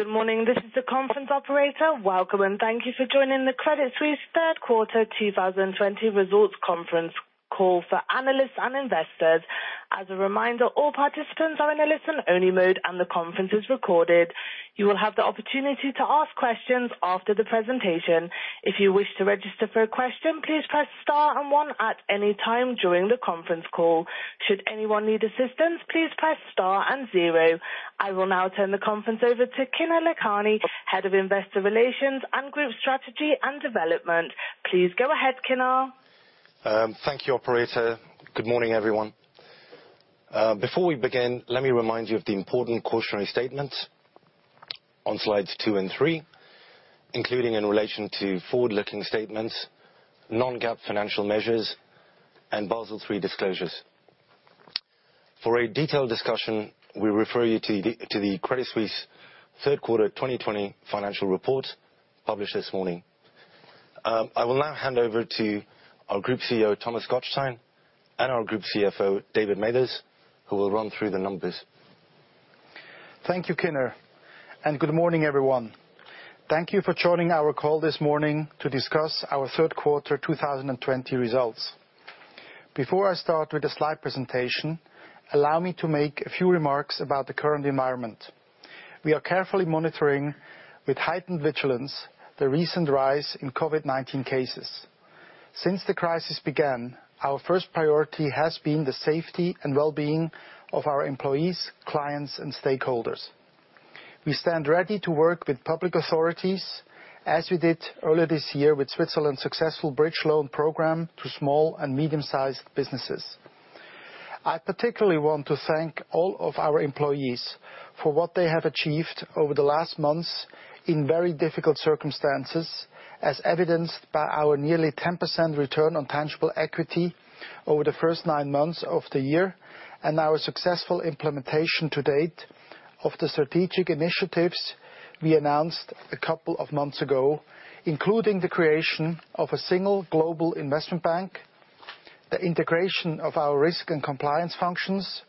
Good morning. This is the conference operator. Welcome. Thank you for joining the Credit Suisse third quarter 2020 results conference call for analysts and investors. As a reminder, all participants are in a listen-only mode and the conference is recorded. You will have the opportunity to ask questions after the presentation. If you wish to register for a question, please press star and one at any time during the conference call. Should anyone need assistance, please press star and 0. I will now turn the conference over to Kinner Lakhani, Head of Investor Relations and Group Strategy and Development. Please go ahead, Kinner. Thank you, operator. Good morning, everyone. Before we begin, let me remind you of the important cautionary statement on slides 2 and 3, including in relation to forward-looking statements, non-GAAP financial measures, and Basel III disclosures. For a detailed discussion, we refer you to the Credit Suisse third quarter 2020 financial report published this morning. I will now hand over to our Group CEO, Thomas Gottstein, and our Group CFO, David Mathers, who will run through the numbers. Thank you, Kinner, and good morning, everyone. Thank you for joining our call this morning to discuss our third quarter 2020 results. Before I start with the slide presentation, allow me to make a few remarks about the current environment. We are carefully monitoring with heightened vigilance the recent rise in COVID-19 cases. Since the crisis began, our first priority has been the safety and well-being of our employees, clients, and stakeholders. We stand ready to work with public authorities as we did earlier this year with Switzerland's successful Bridge Loan Program to small and medium-sized businesses. I particularly want to thank all of our employees for what they have achieved over the last months in very difficult circumstances, as evidenced by our nearly 10% return on tangible equity over the first nine months of the year, and our successful implementation to date of the strategic initiatives we announced a couple of months ago, including the creation of a Single Global Investment Bank, the integration of our risk and compliance functions,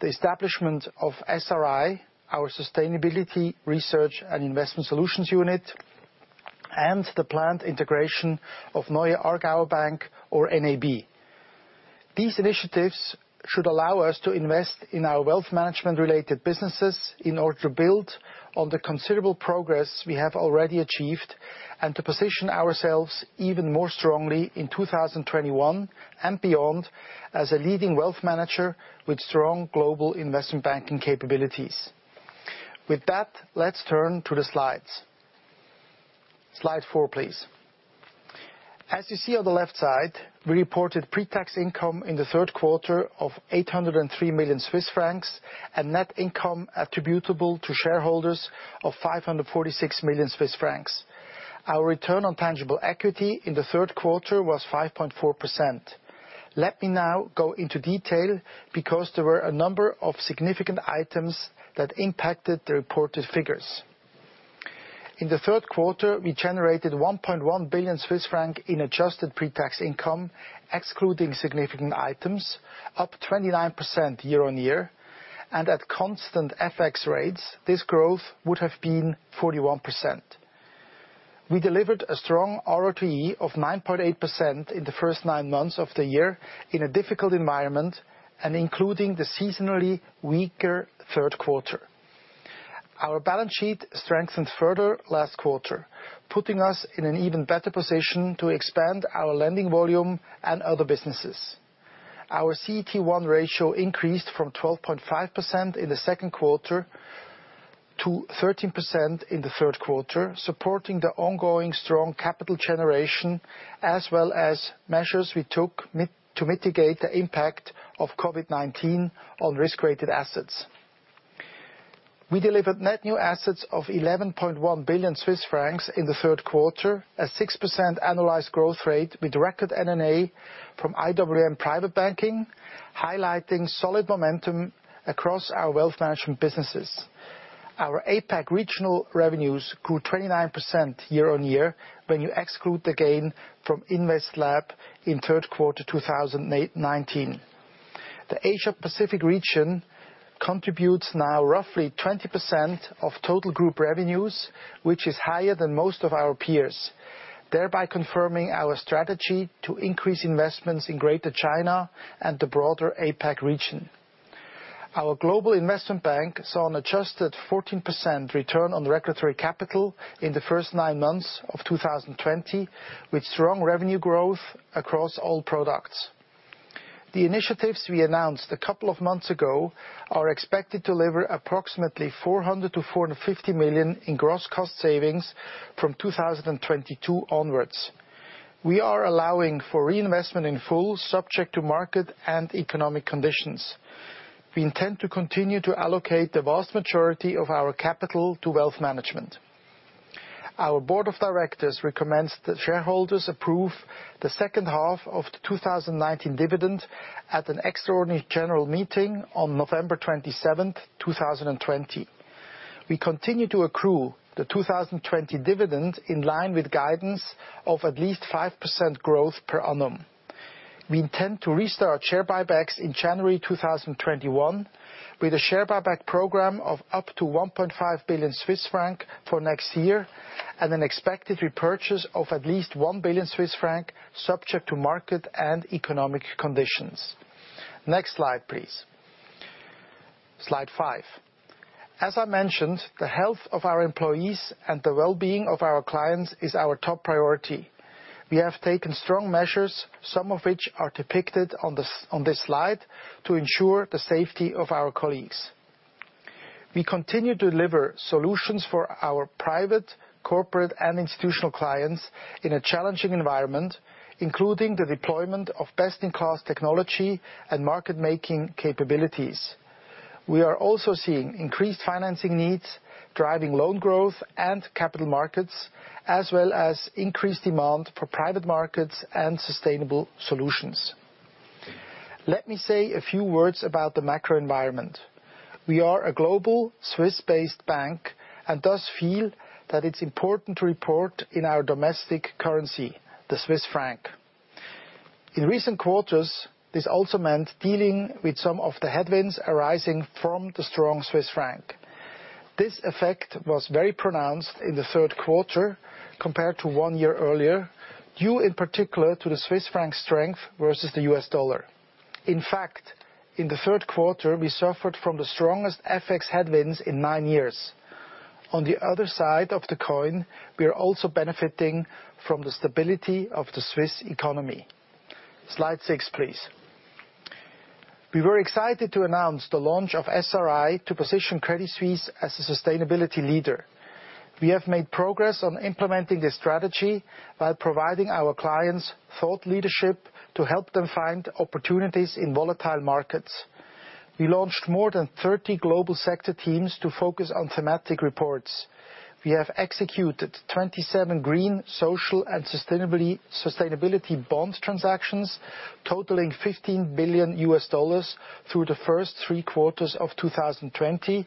the establishment of SRI, our sustainability research and investment solutions unit, and the planned integration of Neue Aargauer Bank or NAB. These initiatives should allow us to invest in our wealth management-related businesses in order to build on the considerable progress we have already achieved, and to position ourselves even more strongly in 2021 and beyond as a leading wealth manager with strong global investment banking capabilities. With that, let's turn to the slides. Slide four, please. As you see on the left side, we reported pre-tax income in the third quarter of 803 million Swiss francs and net income attributable to shareholders of 546 million Swiss francs. Our return on tangible equity in the third quarter was 5.4%. Let me now go into detail because there were a number of significant items that impacted the reported figures. In the third quarter, we generated 1.1 billion Swiss franc in adjusted pre-tax income, excluding significant items, up 29% year-on-year, and at constant FX rates, this growth would have been 41%. We delivered a strong RoTE of 9.8% in the first nine months of the year in a difficult environment, and including the seasonally weaker third quarter. Our balance sheet strengthened further last quarter, putting us in an even better position to expand our lending volume and other businesses. Our CET1 ratio increased from 12.5% in the second quarter to 13% in the third quarter, supporting the ongoing strong capital generation, as well as measures we took to mitigate the impact of COVID-19 on risk-rated assets. We delivered net new assets of 11.1 billion Swiss francs in the third quarter, a 6% annualized growth rate with record NNA from IWM private banking, highlighting solid momentum across our wealth management businesses. Our APAC regional revenues grew 29% year-on-year when you exclude the gain from InvestLab in third quarter 2019. The Asia-Pacific region contributes now roughly 20% of total group revenues, which is higher than most of our peers, thereby confirming our strategy to increase investments in Greater China and the broader APAC region. Our global investment bank saw an adjusted 14% return on regulatory capital in the first nine months of 2020, with strong revenue growth across all products. The initiatives we announced a couple of months ago are expected to deliver approximately 400 million-450 million in gross cost savings from 2022 onwards. We are allowing for reinvestment in full, subject to market and economic conditions. We intend to continue to allocate the vast majority of our capital to wealth management. Our board of directors recommends that shareholders approve the second half of the 2019 dividend at an extraordinary general meeting on November 27th, 2020. We continue to accrue the 2020 dividend in line with guidance of at least 5% growth per annum. We intend to restart share buybacks in January 2021, with a share buyback program of up to 1.5 billion Swiss franc for next year, and an expected repurchase of at least 1 billion Swiss franc, subject to market and economic conditions. Next slide, please. Slide five. As I mentioned, the health of our employees and the well-being of our clients is our top priority. We have taken strong measures, some of which are depicted on this slide, to ensure the safety of our colleagues. We continue to deliver solutions for our private, corporate, and institutional clients in a challenging environment, including the deployment of best-in-class technology and market-making capabilities. We are also seeing increased financing needs, driving loan growth and capital markets, as well as increased demand for private markets and sustainable solutions. Let me say a few words about the macro environment. We are a global Swiss-based bank and thus feel that it's important to report in our domestic currency, the Swiss franc. In recent quarters, this also meant dealing with some of the headwinds arising from the strong Swiss franc. This effect was very pronounced in the third quarter compared to one year earlier, due in particular to the Swiss franc strength versus the U.S. dollar. In fact, in the third quarter, we suffered from the strongest FX headwinds in nine years. On the other side of the coin, we are also benefiting from the stability of the Swiss economy. Slide six, please. We were excited to announce the launch of SRI to position Credit Suisse as a sustainability leader. We have made progress on implementing this strategy by providing our clients thought leadership to help them find opportunities in volatile markets. We launched more than 30 global sector teams to focus on thematic reports. We have executed 27 green, social, and sustainability bond transactions totaling $15 billion through the first three quarters of 2020,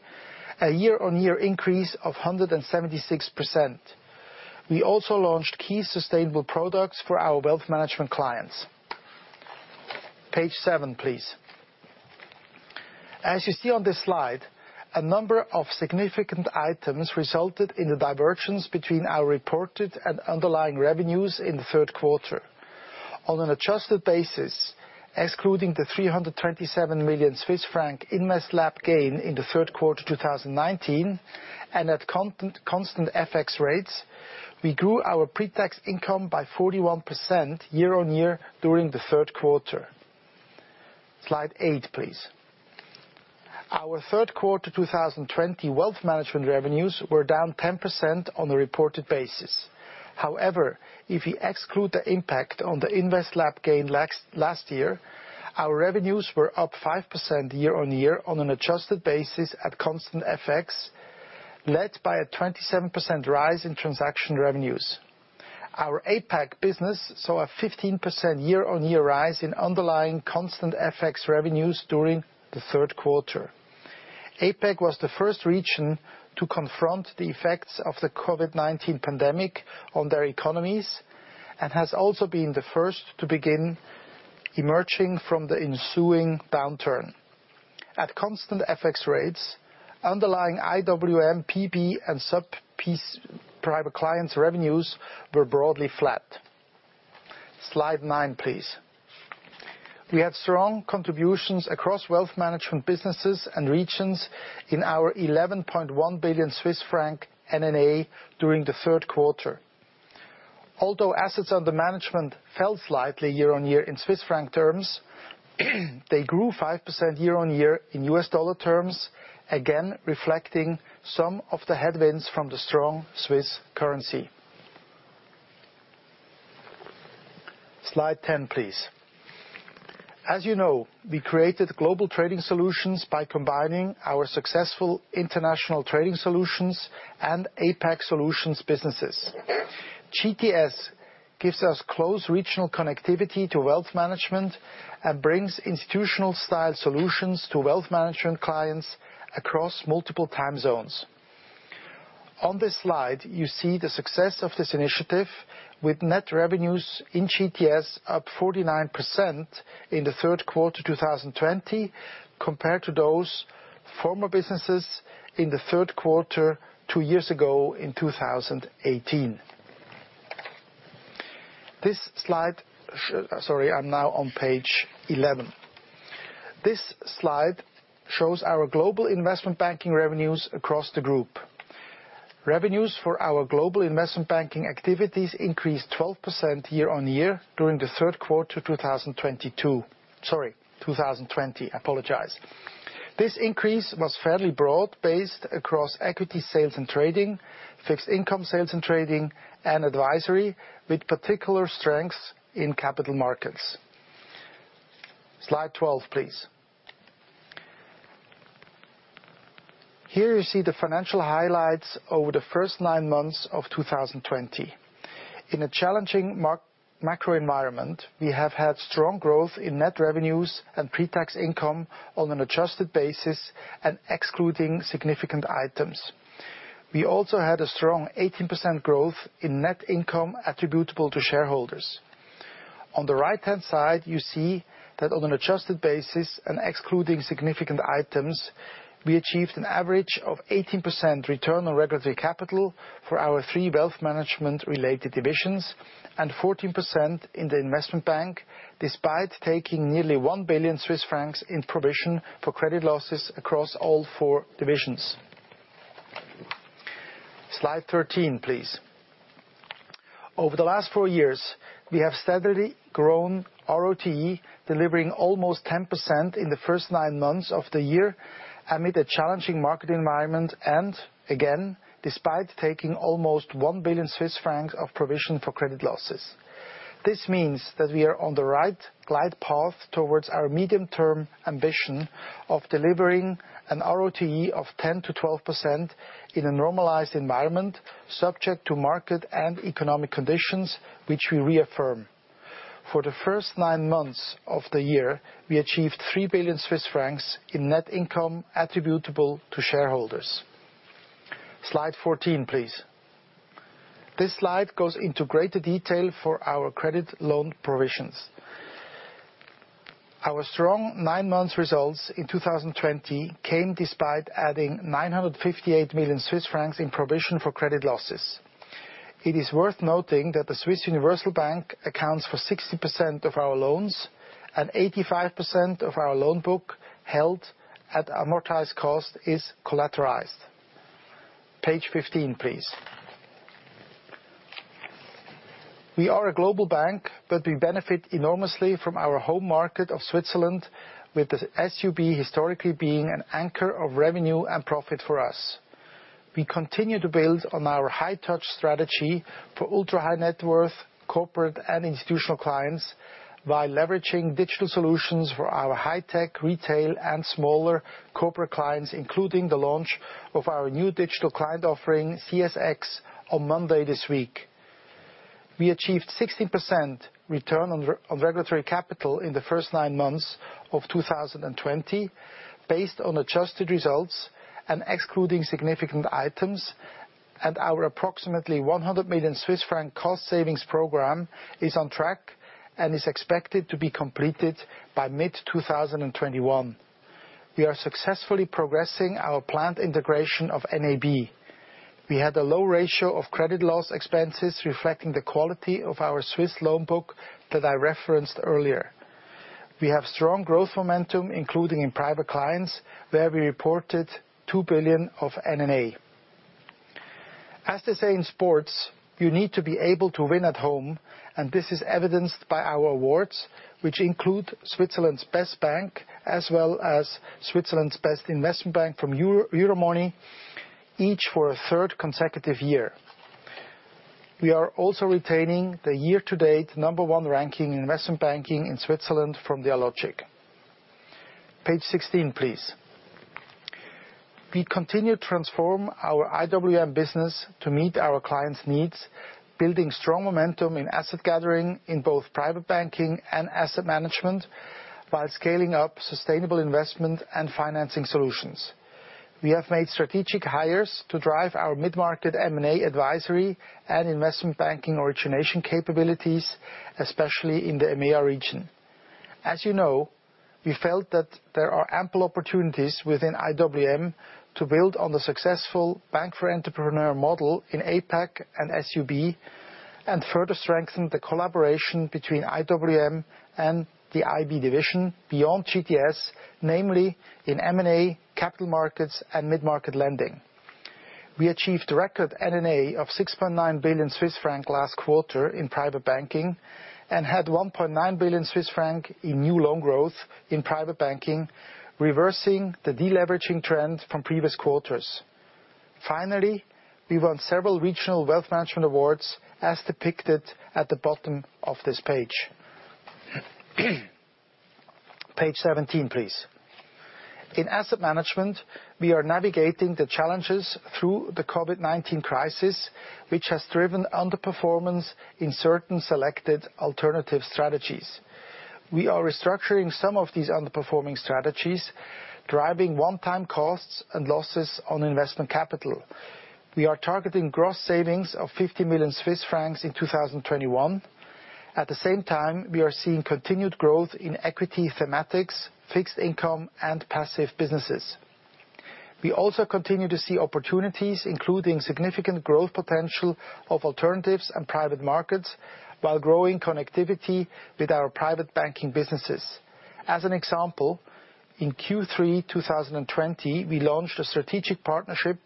a year-on-year increase of 176%. We also launched key sustainable products for our wealth management clients. Page seven, please. As you see on this slide, a number of significant items resulted in the diversions between our reported and underlying revenues in the third quarter. On an adjusted basis, excluding the 327 million Swiss franc InvestLab gain in the third quarter 2019, and at constant FX rates, we grew our pre-tax income by 41% year-on-year during the third quarter. Slide eight, please. Our third quarter 2020 wealth management revenues were down 10% on a reported basis. However, if you exclude the impact on the InvestLab gain last year, our revenues were up 5% year-on-year on an adjusted basis at constant FX, led by a 27% rise in transaction revenues. Our APAC business saw a 15% year-on-year rise in underlying constant FX revenues during the third quarter. APAC was the first region to confront the effects of the COVID-19 pandemic on their economies and has also been the first to begin emerging from the ensuing downturn. At constant FX rates, underlying IWM, PB, and SUB Private Clients revenues were broadly flat. Slide nine, please. We had strong contributions across wealth management businesses and regions in our 11.1 billion Swiss franc NNA during the third quarter. Although assets under management fell slightly year-on-year in CHF terms, they grew 5% year-on-year in U.S. dollar terms, again, reflecting some of the headwinds from the strong Swiss currency. Slide 10, please. As you know, we created global trading solutions by combining our successful International Trading Solutions and APAC Solutions businesses. GTS gives us close regional connectivity to wealth management and brings institutional-style solutions to wealth management clients across multiple time zones. On this slide, you see the success of this initiative with net revenues in GTS up 49% in the third quarter 2020, compared to those former businesses in the third quarter 2018. Sorry, I'm now on page 11. This slide shows our global investment banking revenues across the group. Revenues for our global investment banking activities increased 12% year-on-year during the third quarter 2020. I apologize. This increase was fairly broad-based across equity sales and trading, fixed income sales and trading, and advisory, with particular strengths in capital markets. Slide 12, please. Here you see the financial highlights over the first nine months of 2020. In a challenging macro environment, we have had strong growth in net revenues and pre-tax income on an adjusted basis and excluding significant items. We also had a strong 18% growth in net income attributable to shareholders. On the right-hand side, you see that on an adjusted basis and excluding significant items, we achieved an average of 18% return on regulatory capital for our three wealth management-related divisions and 14% in the Investment Bank, despite taking nearly 1 billion Swiss francs in provision for credit losses across all four divisions. Slide 13, please. Over the last four years, we have steadily grown RoTE, delivering almost 10% in the first nine months of the year amid a challenging market environment, again, despite taking almost 1 billion Swiss francs of provision for credit losses. This means that we are on the right glide path towards our medium-term ambition of delivering an RoTE of 10%-12% in a normalized environment, subject to market and economic conditions, which we reaffirm. For the first nine months of the year, we achieved 3 billion Swiss francs in net income attributable to shareholders. Slide 14, please. This slide goes into greater detail for our credit loan provisions. Our strong nine-month results in 2020 came despite adding 958 million Swiss francs in provision for credit losses. It is worth noting that the Swiss Universal Bank accounts for 60% of our loans, and 85% of our loan book held at amortized cost is collateralized. Page 15, please. We are a global bank, but we benefit enormously from our home market of Switzerland with the SUB historically being an anchor of revenue and profit for us. We continue to build on our high-touch strategy for ultra-high-net-worth corporate and institutional clients by leveraging digital solutions for our high-tech retail and smaller corporate clients, including the launch of our new digital client offering, CSX, on Monday this week. We achieved 16% return on regulatory capital in the first nine months of 2020, based on adjusted results and excluding significant items, and our approximately 100 million Swiss franc cost savings program is on track and is expected to be completed by mid-2021. We are successfully progressing our planned integration of NAB. We had a low ratio of credit loss expenses reflecting the quality of our Swiss loan book that I referenced earlier. We have strong growth momentum, including in private clients, where we reported 2 billion of NNA. As they say in sports, you need to be able to win at home, and this is evidenced by our awards, which include Switzerland's Best Bank, as well as Switzerland's Best Investment Bank from Euromoney, each for a third consecutive year. We are also retaining the year-to-date number one ranking in investment banking in Switzerland from Dealogic. Page 16, please. We continue to transform our IWM business to meet our clients' needs, building strong momentum in asset gathering in both private banking and asset management, while scaling up sustainable investment and financing solutions. We have made strategic hires to drive our mid-market M&A advisory and investment banking origination capabilities, especially in the EMEA region. As you know, we felt that there are ample opportunities within IWM to build on the successful Bank for Entrepreneur model in APAC and SUB, and further strengthen the collaboration between IWM and the IB division beyond GTS, namely in M&A, capital markets, and mid-market lending. We achieved a record NNA of 6.9 billion Swiss franc last quarter in private banking and had 1.9 billion Swiss franc in new loan growth in private banking, reversing the de-leveraging trend from previous quarters. Finally, we won several regional wealth management awards, as depicted at the bottom of this page. Page 17, please. In asset management, we are navigating the challenges through the COVID-19 crisis, which has driven underperformance in certain selected alternative strategies. We are restructuring some of these underperforming strategies, driving one-time costs and losses on investment capital. We are targeting gross savings of 50 million Swiss francs in 2021. At the same time, we are seeing continued growth in equity thematics, fixed income, and passive businesses. We also continue to see opportunities, including significant growth potential of alternatives and private markets, while growing connectivity with our private banking businesses. As an example, in Q3 2020, we launched a strategic partnership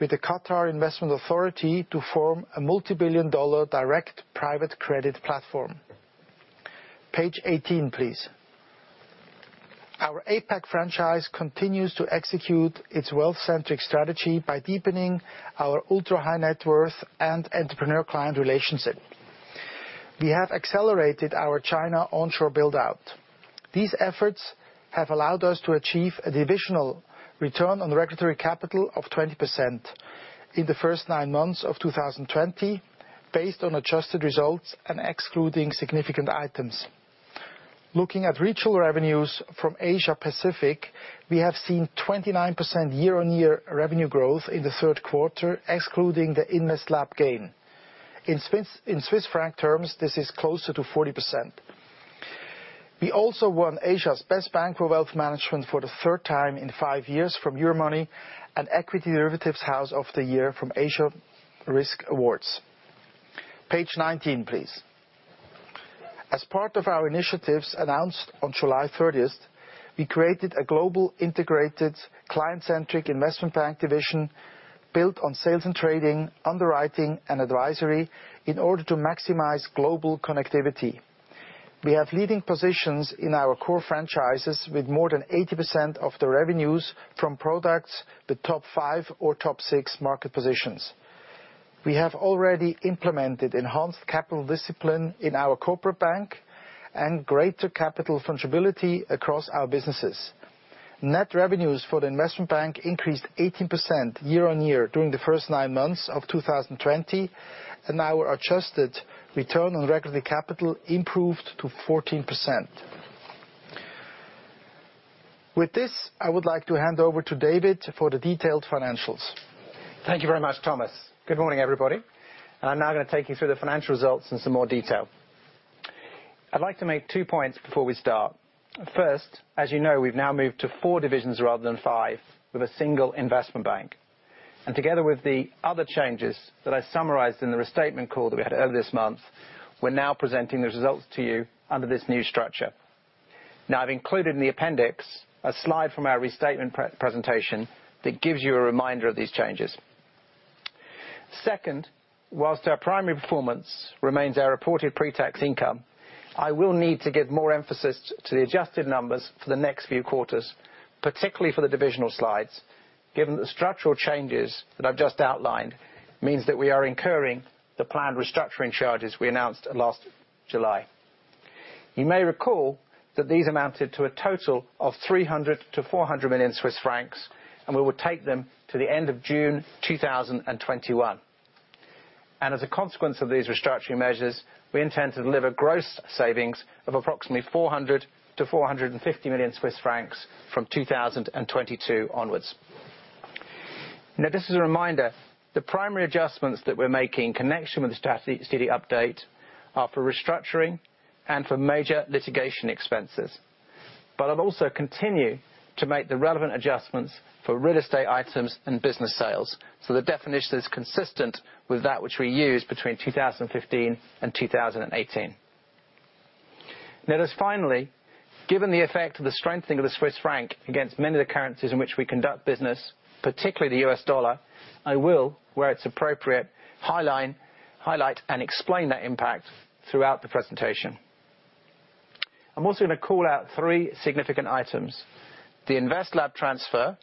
with the Qatar Investment Authority to form a multibillion-dollar direct private credit platform. Page 18, please. Our APAC franchise continues to execute its wealth-centric strategy by deepening our ultra-high-net worth and entrepreneur client relationship. We have accelerated our China onshore build-out. These efforts have allowed us to achieve a divisional Return on Regulatory Capital of 20% in the first nine months of 2020, based on adjusted results and excluding significant items. Looking at retail revenues from Asia Pacific, we have seen 29% year-on-year revenue growth in the third quarter, excluding the InvestLab gain. In Swiss franc terms, this is closer to 40%. We also won Asia's Best Bank for Wealth Management for the third time in five years from Euromoney and Equity Derivatives House of the Year from Asia Risk Awards. Page 19, please. As part of our initiatives announced on July 30th, we created a global integrated client-centric investment bank division built on sales and trading, underwriting, and advisory in order to maximize global connectivity. We have leading positions in our core franchises with more than 80% of the revenues from products, the top five or top six market positions. We have already implemented enhanced capital discipline in our corporate bank and greater capital fungibility across our businesses. Net revenues for the investment bank increased 18% year-on-year during the first nine months of 2020, and our adjusted return on regulatory capital improved to 14%. With this, I would like to hand over to David for the detailed financials. Thank you very much, Thomas. Good morning, everybody. I'm now going to take you through the financial results in some more detail. I'd like to make two points before we start. First, as you know, we've now moved to four divisions rather than five, with a single Investment Bank. Together with the other changes that I summarized in the restatement call that we had earlier this month, we're now presenting the results to you under this new structure. I've included in the appendix a slide from our restatement presentation that gives you a reminder of these changes. Second our primary performance remains our reported pre-tax income, I will need to give more emphasis to the adjusted numbers for the next few quarters, particularly for the divisional slides, given that the structural changes that I've just outlined means that we are incurring the planned restructuring charges we announced last July. You may recall that these amounted to a total of 300 million-400 million Swiss francs, we will take them to the end of June 2021. As a consequence of these restructuring measures, we intend to deliver gross savings of approximately 400 million-450 million Swiss francs from 2022 onwards. This is a reminder, the primary adjustments that we're making in connection with the strategy update are for restructuring and for major litigation expenses. I'll also continue to make the relevant adjustments for real estate items and business sales. The definition is consistent with that which we used between 2015 and 2018. There's finally, given the effect of the strengthening of the Swiss franc against many of the currencies in which we conduct business, particularly the U.S. dollar, I will, where it's appropriate, highlight and explain that impact throughout the presentation. I'm also going to call out three significant items. The InvestLab transfer,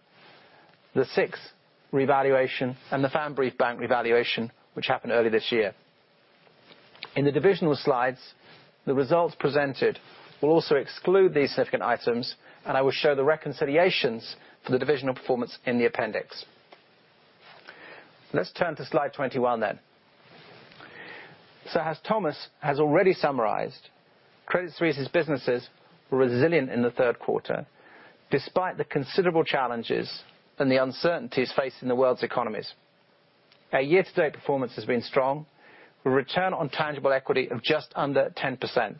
the SIX revaluation, and the Pfandbriefbank revaluation, which happened earlier this year. In the divisional slides, the results presented will also exclude these significant items, and I will show the reconciliations for the divisional performance in the appendix. Let's turn to slide 21 then. As Thomas has already summarized, Credit Suisse's businesses were resilient in the third quarter, despite the considerable challenges and the uncertainties facing the world's economies. Our year-to-date performance has been strong, with return on tangible equity of just under 10%.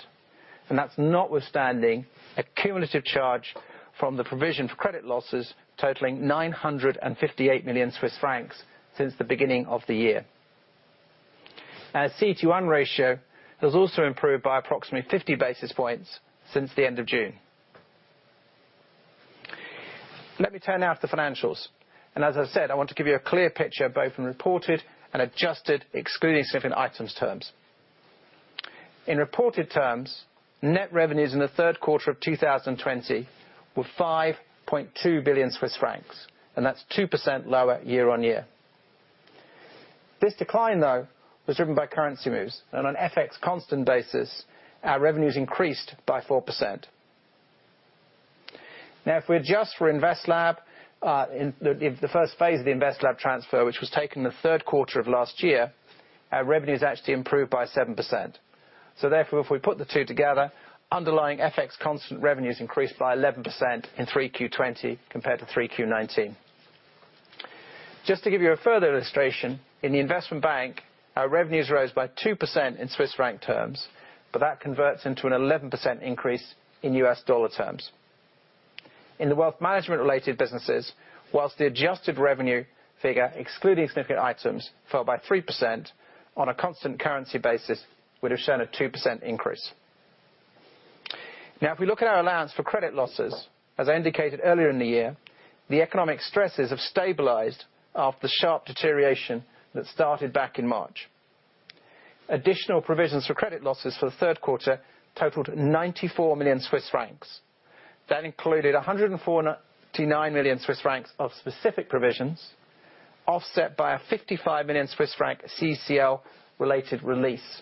That's notwithstanding a cumulative charge from the provision for credit losses totaling 958 million Swiss francs since the beginning of the year. Our CET1 ratio has also improved by approximately 50 basis points since the end of June. Let me turn now to the financials. As I said, I want to give you a clear picture, both in reported and adjusted, excluding significant items terms. In reported terms, net revenues in the third quarter of 2020 were 5.2 billion Swiss francs, and that's 2% lower year-on-year. This decline, though, was driven by currency moves, and on FX constant basis, our revenues increased by 4%. Now, if we adjust for the first phase of the InvestLab transfer, which was taken the third quarter of last year, our revenues actually improved by 7%. Therefore, if we put the two together, underlying FX constant revenues increased by 11% in 3Q 2020 compared to 3Q 2019. Just to give you a further illustration, in the investment bank, our revenues rose by 2% in CHF terms, but that converts into an 11% increase in U.S. dollar terms. In the wealth management-related businesses, whilst the adjusted revenue figure, excluding significant items, fell by 3%, on a constant currency basis, would have shown a 2% increase. If we look at our allowance for credit losses, as I indicated earlier in the year, the economic stresses have stabilized after the sharp deterioration that started back in March. Additional provisions for credit losses for the third quarter totaled 94 million Swiss francs. That included 149 million Swiss francs of specific provisions, offset by a 55 million Swiss franc CECL-related release.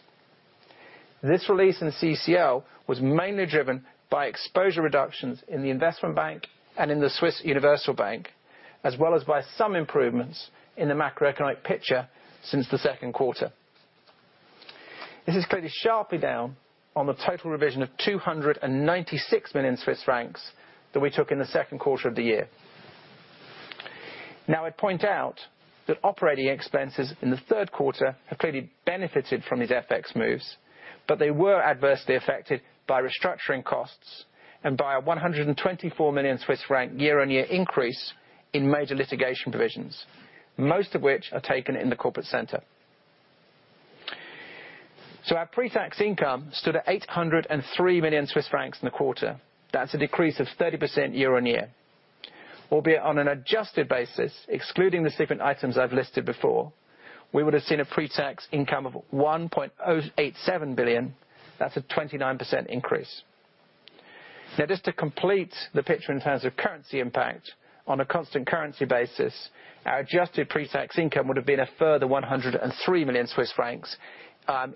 This release in CECL was mainly driven by exposure reductions in the investment bank and in the Swiss Universal Bank, as well as by some improvements in the macroeconomic picture since the second quarter. This is clearly sharply down on the total revision of 296 million Swiss francs that we took in the second quarter of the year. I'd point out that operating expenses in the third quarter have clearly benefited from these FX moves, but they were adversely affected by restructuring costs and by a 124 million Swiss franc year-on-year increase in major litigation provisions, most of which are taken in the Corporate Center. Our pre-tax income stood at 803 million Swiss francs in the quarter. That's a decrease of 30% year-on-year. Albeit on an adjusted basis, excluding the separate items I've listed before, we would've seen a pre-tax income of 1.087 billion. That's a 29% increase. Just to complete the picture in terms of currency impact, on a constant currency basis, our adjusted pre-tax income would've been a further 103 million Swiss francs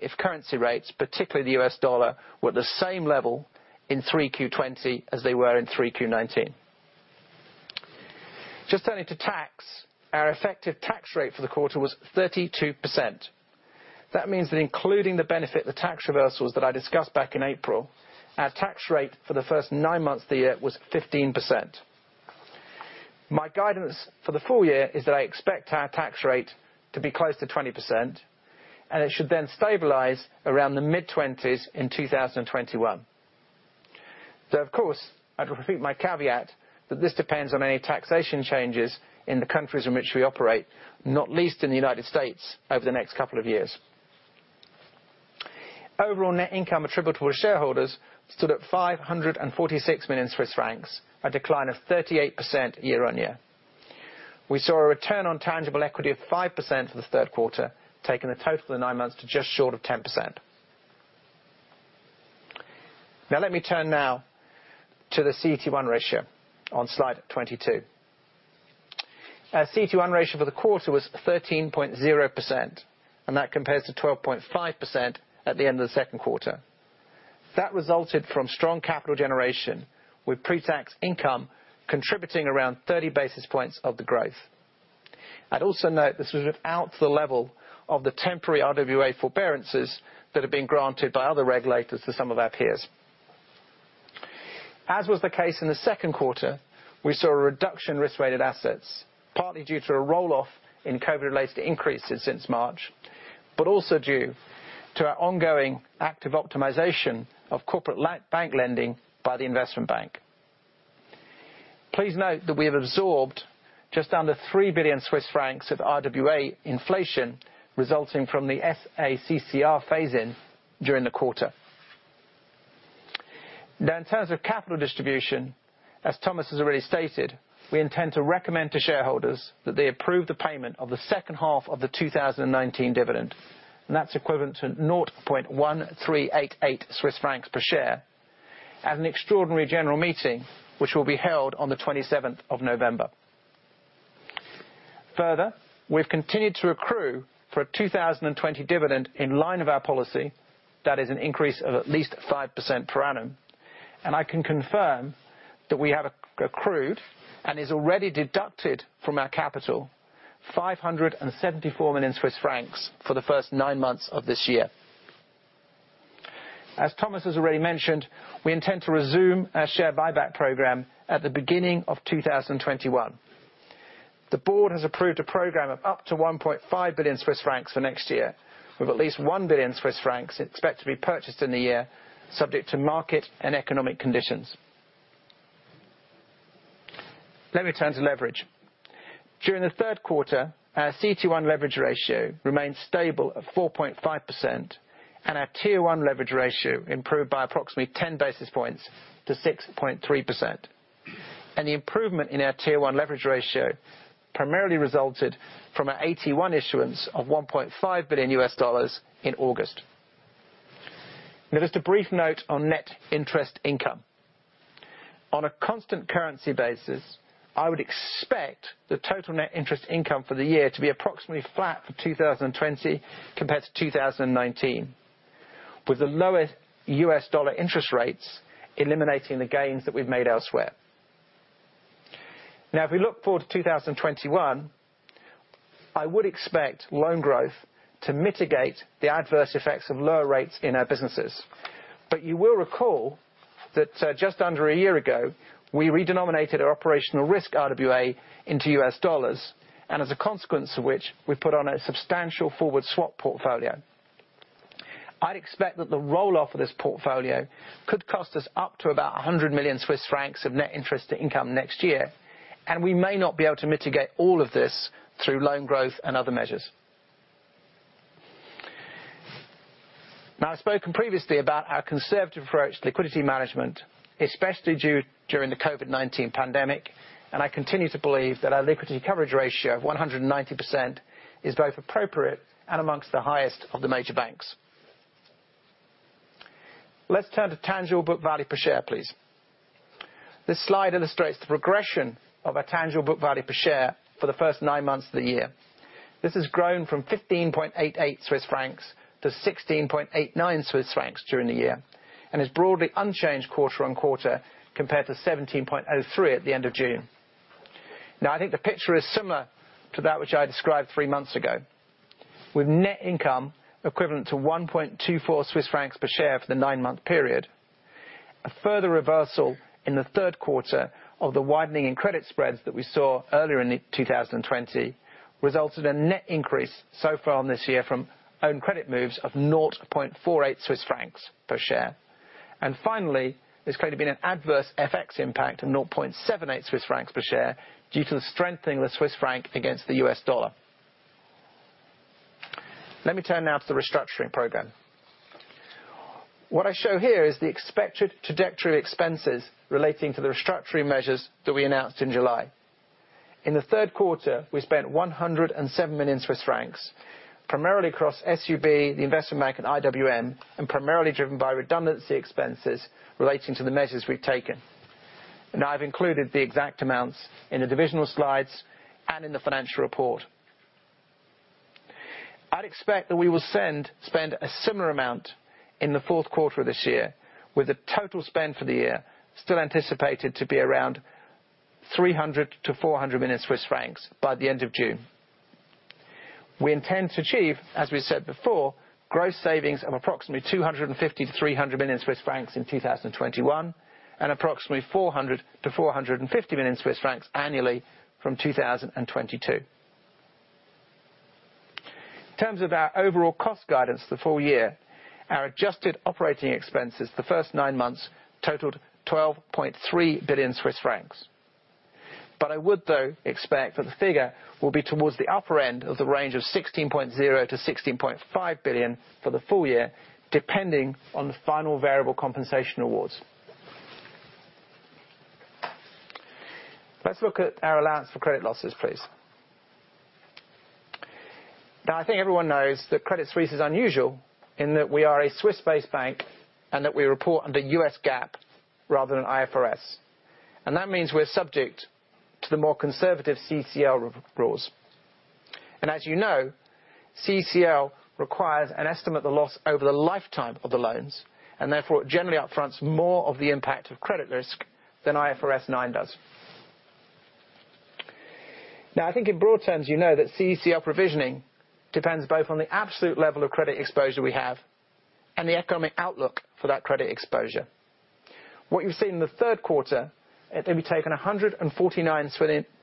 if currency rates, particularly the U.S. dollar, were the same level in 3Q 2020 as they were in 3Q 2019. Just turning to tax, our effective tax rate for the quarter was 32%. That means that including the benefit of the tax reversals that I discussed back in April, our tax rate for the first nine months of the year was 15%. My guidance for the full year is that I expect our tax rate to be close to 20%, and it should then stabilize around the mid-20s in 2021. Of course, I'd repeat my caveat that this depends on any taxation changes in the countries in which we operate, not least in the United States over the next couple of years. Overall net income attributable to shareholders stood at 546 million Swiss francs, a decline of 38% year-on-year. We saw a return on tangible equity of 5% for the third quarter, taking the total of the nine months to just short of 10%. Let me turn now to the CET1 ratio on slide 22. Our CET1 ratio for the quarter was 13.0%, and that compares to 12.5% at the end of the second quarter. That resulted from strong capital generation, with pre-tax income contributing around 30 basis points of the growth. I'd also note this was without the level of the temporary RWA forbearances that have been granted by other regulators to some of our peers. As was the case in the second quarter, we saw a reduction in risk-weighted assets, partly due to a roll-off in COVID-related increases since March, but also due to our ongoing active optimization of corporate bank lending by the investment bank. Please note that we have absorbed just under 3 billion Swiss francs of RWA inflation resulting from the SA-CCR phase-in during the quarter. In terms of capital distribution, as Thomas has already stated, we intend to recommend to shareholders that they approve the payment of the second half of the 2019 dividend, and that is equivalent to 0.1388 Swiss francs per share at an Extraordinary General Meeting, which will be held on the 27th of November. Further, we have continued to accrue for a 2020 dividend in line of our policy. That is an increase of at least 5% per annum. I can confirm that we have accrued, and is already deducted from our capital, 574 million Swiss francs for the first nine months of this year. As Thomas has already mentioned, we intend to resume our share buyback program at the beginning of 2021. The board has approved a program of up to 1.5 billion Swiss francs for next year, with at least 1 billion Swiss francs expected to be purchased in the year, subject to market and economic conditions. Let me turn to leverage. During the third quarter, our CET1 leverage ratio remained stable at 4.5%, and our Tier 1 leverage ratio improved by approximately 10 basis points to 6.3%. The improvement in our Tier 1 leverage ratio primarily resulted from our additional Tier 1 issuance of $1.5 billion in August. Now just a brief note on net interest income. On a constant currency basis, I would expect the total net interest income for the year to be approximately flat for 2020 compared to 2019, with the lower U.S. dollar interest rates eliminating the gains that we've made elsewhere. Now if we look forward to 2021, I would expect loan growth to mitigate the adverse effects of lower rates in our businesses. But you will recall that just under a year ago, we redenominated our operational risk RWA into U.S. dollars, and as a consequence of which, we put on a substantial forward swap portfolio. I'd expect that the roll-off of this portfolio could cost us up to about 100 million Swiss francs of net interest income next year, and we may not be able to mitigate all of this through loan growth and other measures. I've spoken previously about our conservative approach to liquidity management, especially during the COVID-19 pandemic, and I continue to believe that our liquidity coverage ratio of 190% is both appropriate and among the highest of the major banks. Let's turn to tangible book value per share, please. This slide illustrates the progression of our tangible book value per share for the first nine months of the year. This has grown from 15.88 Swiss francs to 16.89 Swiss francs during the year, and is broadly unchanged quarter-on-quarter compared to 17.03 at the end of June. I think the picture is similar to that which I described three months ago. With net income equivalent to 1.24 Swiss francs per share for the nine-month period. A further reversal in the third quarter of the widening in credit spreads that we saw earlier in 2020 resulted in net increase so far on this year from own credit moves of 0.48 Swiss francs per share. Finally, there's clearly been an adverse FX impact of 0.78 Swiss francs per share due to the strengthening of the Swiss franc against the U.S. dollar. Let me turn now to the restructuring program. What I show here is the expected trajectory of expenses relating to the restructuring measures that we announced in July. In the third quarter, we spent 107 million Swiss francs, primarily across SUB, the Investment Bank, and IWM, and primarily driven by redundancy expenses relating to the measures we've taken. I've included the exact amounts in the divisional slides and in the financial report. I'd expect that we will spend a similar amount in the fourth quarter of this year, with the total spend for the year still anticipated to be around 300 million-400 million Swiss francs by the end of June. We intend to achieve, as we said before, gross savings of approximately 250 million-300 million Swiss francs in 2021, and approximately 400 million-450 million Swiss francs annually from 2022. In terms of our overall cost guidance for the full year, our adjusted OpEx the first nine months totaled 12.3 billion Swiss francs. I would, though, expect that the figure will be towards the upper end of the range of 16.0 billion-16.5 billion for the full year, depending on the final variable compensation awards. Let's look at our allowance for credit losses, please. I think everyone knows that Credit Suisse is unusual in that we are a Swiss-based bank and that we report under U.S. GAAP rather than IFRS. That means we're subject to the more conservative CECL rules. As you know, CECL requires an estimate of the loss over the lifetime of the loans, and therefore it generally up-fronts more of the impact of credit risk than IFRS 9 does. I think in broad terms you know that CECL provisioning depends both on the absolute level of credit exposure we have and the economic outlook for that credit exposure. What you've seen in the third quarter, they've been taken 149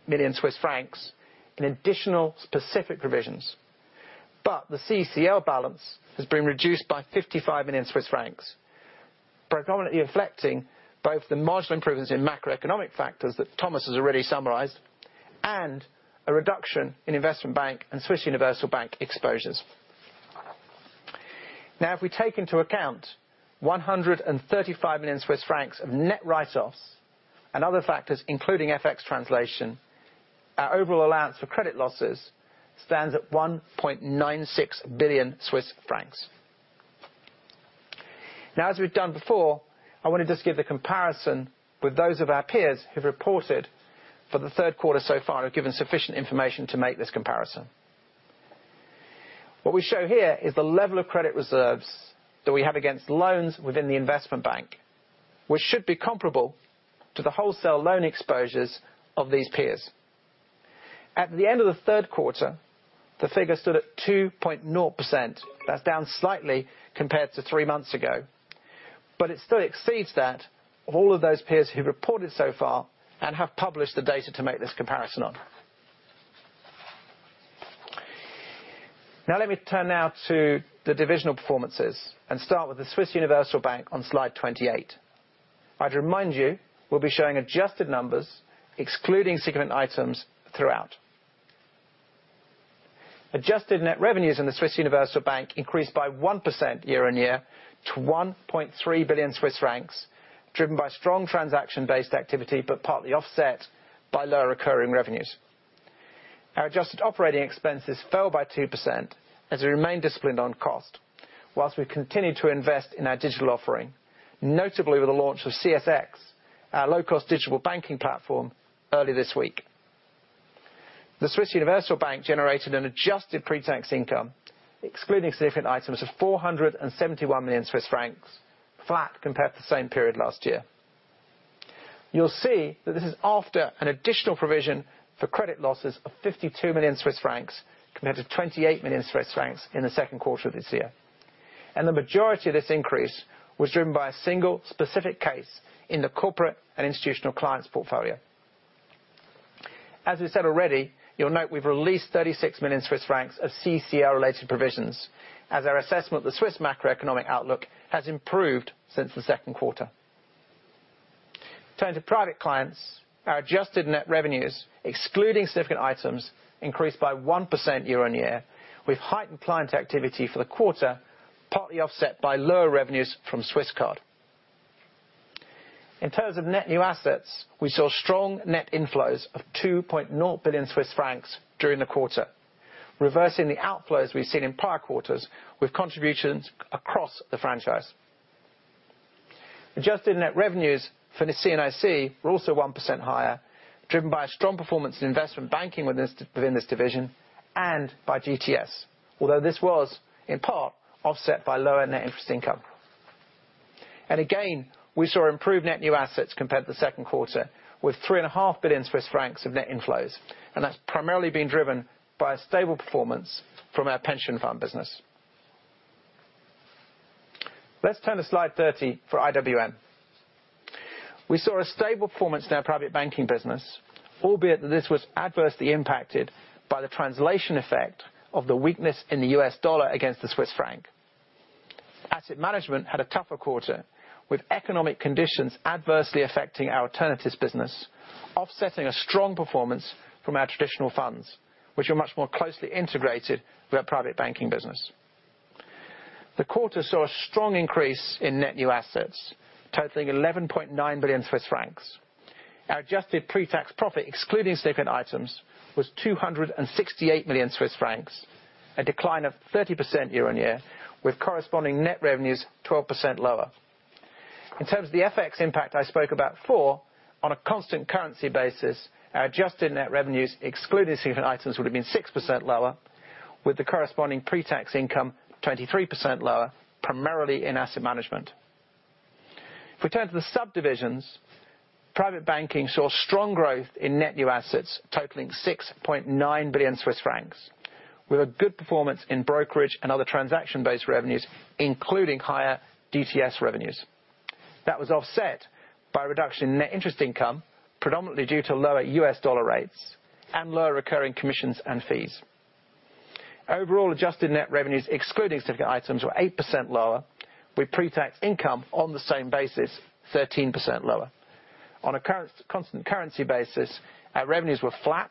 million Swiss francs in additional specific provisions. The CECL balance has been reduced by 55 million Swiss francs, predominantly reflecting both the marginal improvements in macroeconomic factors that Thomas has already summarized, and a reduction in Investment Bank and Swiss Universal Bank exposures. If we take into account 135 million Swiss francs of net write-offs and other factors, including FX translation, our overall allowance for credit losses stands at 1.96 billion Swiss francs. As we've done before, I want to just give the comparison with those of our peers who've reported for the third quarter so far or given sufficient information to make this comparison. What we show here is the level of credit reserves that we have against loans within the Investment Bank, which should be comparable to the wholesale loan exposures of these peers. At the end of the third quarter, the figure stood at 2.0%. That's down slightly compared to three months ago. It still exceeds that of all of those peers who've reported so far and have published the data to make this comparison on. Let me turn now to the divisional performances and start with the Swiss Universal Bank on slide 28. I'd remind you, we'll be showing adjusted numbers, excluding significant items throughout. Adjusted net revenues in the Swiss Universal Bank increased by 1% year-on-year to 1.3 billion Swiss francs, driven by strong transaction-based activity, but partly offset by lower recurring revenues. Our adjusted operating expenses fell by 2% as we remained disciplined on cost, whilst we continued to invest in our digital offering, notably with the launch of CSX, our low-cost digital banking platform, earlier this week. The Swiss Universal Bank generated an adjusted pre-tax income, excluding significant items, of 471 million Swiss francs, flat compared to the same period last year. You'll see that this is after an additional provision for credit losses of 52 million Swiss francs compared to 28 million Swiss francs in the second quarter of this year. The majority of this increase was driven by a single specific case in the Corporate & Institutional Clients portfolio. As we've said already, you'll note we've released 36 million Swiss francs of CECL-related provisions, as our assessment of the Swiss macroeconomic outlook has improved since the second quarter. Turning to Private Clients, our adjusted net revenues, excluding significant items, increased by 1% year-on-year, with heightened client activity for the quarter partly offset by lower revenues from Swisscard. In terms of net new assets, we saw strong net inflows of 2.0 billion Swiss francs during the quarter, reversing the outflows we've seen in prior quarters, with contributions across the franchise. Adjusted net revenues for the C&IC were also 1% higher, driven by a strong performance in investment banking within this division and by GTS. Although this was, in part, offset by lower net interest income. Again, we saw improved net new assets compared to the second quarter with 3.5 billion Swiss francs of net inflows. That's primarily been driven by a stable performance from our pension fund business. Let's turn to slide 30 for IWM. We saw a stable performance in our private banking business, albeit that this was adversely impacted by the translation effect of the weakness in the U.S. dollar against the Swiss franc. Asset management had a tougher quarter, with economic conditions adversely affecting our alternatives business, offsetting a strong performance from our traditional funds, which are much more closely integrated with our private banking business. The quarter saw a strong increase in net new assets totaling 11.9 billion Swiss francs. Our adjusted pre-tax profit, excluding significant items, was 268 million Swiss francs, a decline of 30% year-on-year, with corresponding net revenues 12% lower. In terms of the FX impact I spoke about before, on a constant currency basis, our adjusted net revenues, excluding significant items, would have been 6% lower, with the corresponding pre-tax income 23% lower, primarily in asset management. If we turn to the subdivisions, private banking saw strong growth in net new assets totaling 6.9 billion Swiss francs, with a good performance in brokerage and other transaction-based revenues, including higher GTS revenues. That was offset by a reduction in Net Interest Income, predominantly due to lower U.S. dollar rates and lower recurring Commissions and Fees. Overall adjusted net revenues, excluding significant items, were 8% lower, with Pre-Tax Income on the same basis 13% lower. On a constant currency basis, our revenues were flat,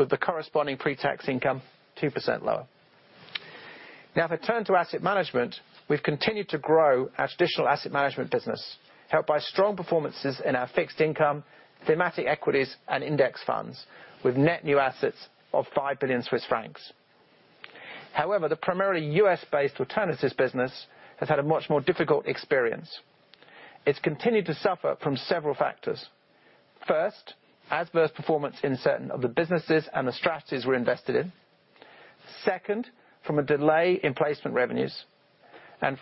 with the corresponding Pre-Tax Income 2% lower. If I turn to Asset Management, we've continued to grow our traditional Asset Management business, helped by strong performances in our Fixed Income, Thematic Equities, and Index Funds, with Net New Assets of 5 billion Swiss francs. The primarily U.S.-based Alternatives business has had a much more difficult experience. It's continued to suffer from several factors. First, adverse performance in certain of the businesses and the strategies we're invested in. Second, from a delay in placement revenues.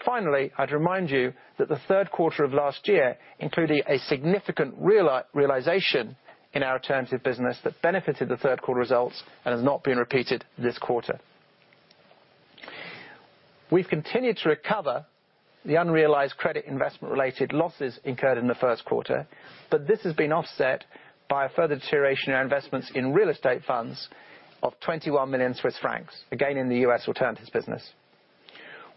Finally, I'd remind you that the third quarter of last year included a significant realization in our alternatives business that benefited the third quarter results and has not been repeated this quarter. We've continued to recover the unrealized credit investment-related losses incurred in the first quarter, but this has been offset by a further deterioration in our investments in real estate funds of 21 million Swiss francs, again in the U.S. alternatives business.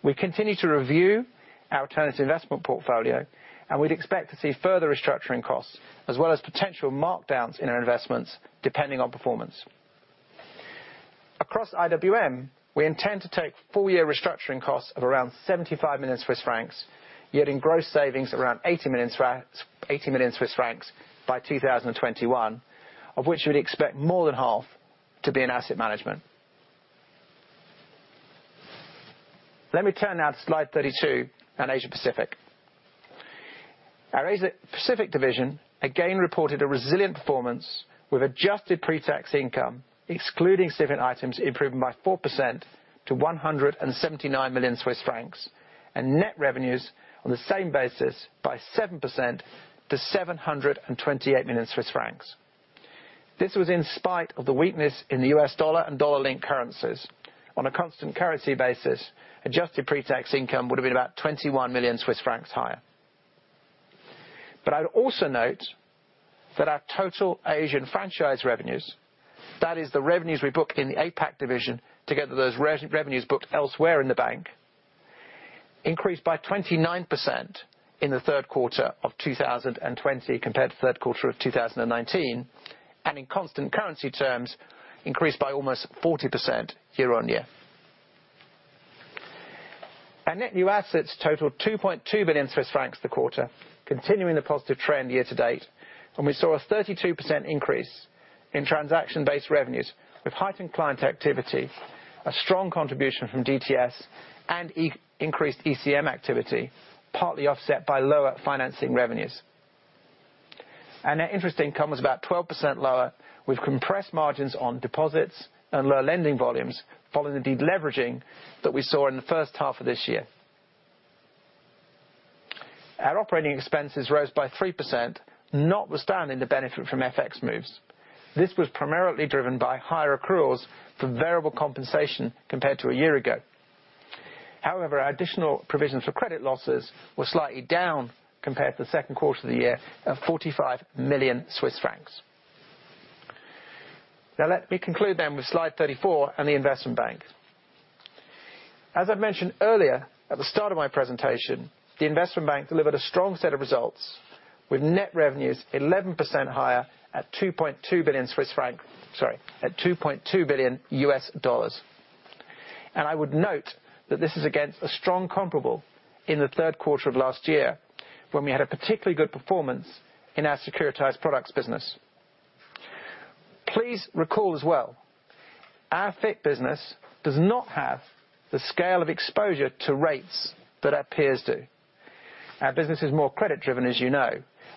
We continue to review our alternative investment portfolio, and we'd expect to see further restructuring costs as well as potential markdowns in our investments depending on performance. Across IWM, we intend to take full-year restructuring costs of around 75 million Swiss francs, yielding gross savings around 80 million Swiss francs by 2021, of which we'd expect more than half to be in asset management. Let me turn now to slide 32 on Asia Pacific. Our Asia Pacific division again reported a resilient performance with adjusted pre-tax income, excluding significant items, improving by 4% to 179 million Swiss francs, and net revenues on the same basis by 7% to 728 million Swiss francs. This was in spite of the weakness in the U.S. dollar and dollar-linked currencies. On a constant currency basis, adjusted pre-tax income would have been about 21 million Swiss francs higher. I'd also note that our total Asian franchise revenues, that is the revenues we book in the APAC division together with those revenues booked elsewhere in the bank, increased by 29% in the third quarter of 2020 compared to the third quarter of 2019, and in constant currency terms, increased by almost 40% year-on-year. Our net new assets totaled 2.2 billion Swiss francs this quarter, continuing the positive trend year to date. We saw a 32% increase in transaction-based revenues with heightened client activity, a strong contribution from DTS, and increased ECM activity, partly offset by lower financing revenues. Our net interest income was about 12% lower, with compressed margins on deposits and lower lending volumes following the deleveraging that we saw in the first half of this year. Our operating expenses rose by 3%, notwithstanding the benefit from FX moves. This was primarily driven by higher accruals for variable compensation compared to a year ago. However, our additional provisions for credit losses were slightly down compared to the second quarter of the year of 45 million Swiss francs. Now let me conclude then with slide 34 and the investment bank. As I've mentioned earlier at the start of my presentation, the investment bank delivered a strong set of results with net revenues 11% higher at $2.2 billion. I would note that this is against a strong comparable in the third quarter of last year when we had a particularly good performance in our securitized products business. Please recall as well, our FICC business does not have the scale of exposure to rates that our peers do. Our business is more credit-driven, as you know,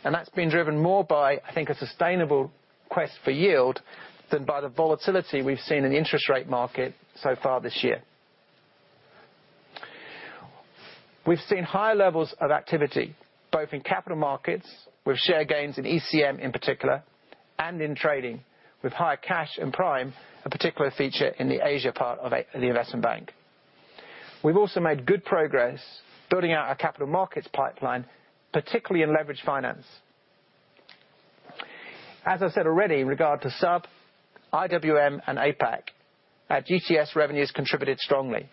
and that's been driven more by, I think, a sustainable quest for yield than by the volatility we've seen in the interest rate market so far this year. We've seen higher levels of activity, both in capital markets, with share gains in ECM in particular, and in trading, with higher cash and prime, a particular feature in the Asia part of the investment bank. We've also made good progress building out our capital markets pipeline, particularly in leveraged finance. As I said already, in regard to SUB, IWM, and APAC, our GTS revenues contributed strongly.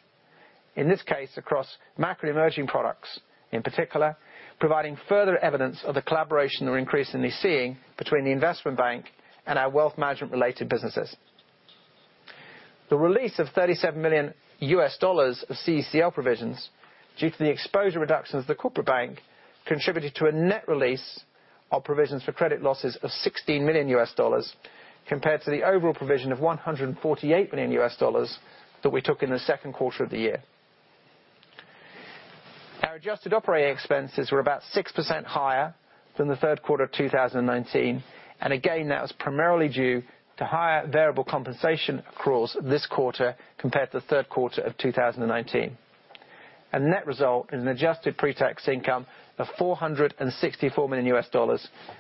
In this case, across macro emerging products, in particular, providing further evidence of the collaboration we're increasingly seeing between the investment bank and our wealth management-related businesses. The release of $37 million of CECL provisions, due to the exposure reductions of the corporate bank, contributed to a net release of provisions for credit losses of $16 million, compared to the overall provision of $148 million that we took in the second quarter of the year. Our adjusted operating expenses were about 6% higher than the third quarter of 2019. Again, that was primarily due to higher variable compensation accruals this quarter compared to the third quarter of 2019. A net result in an adjusted pre-tax income of $464 million,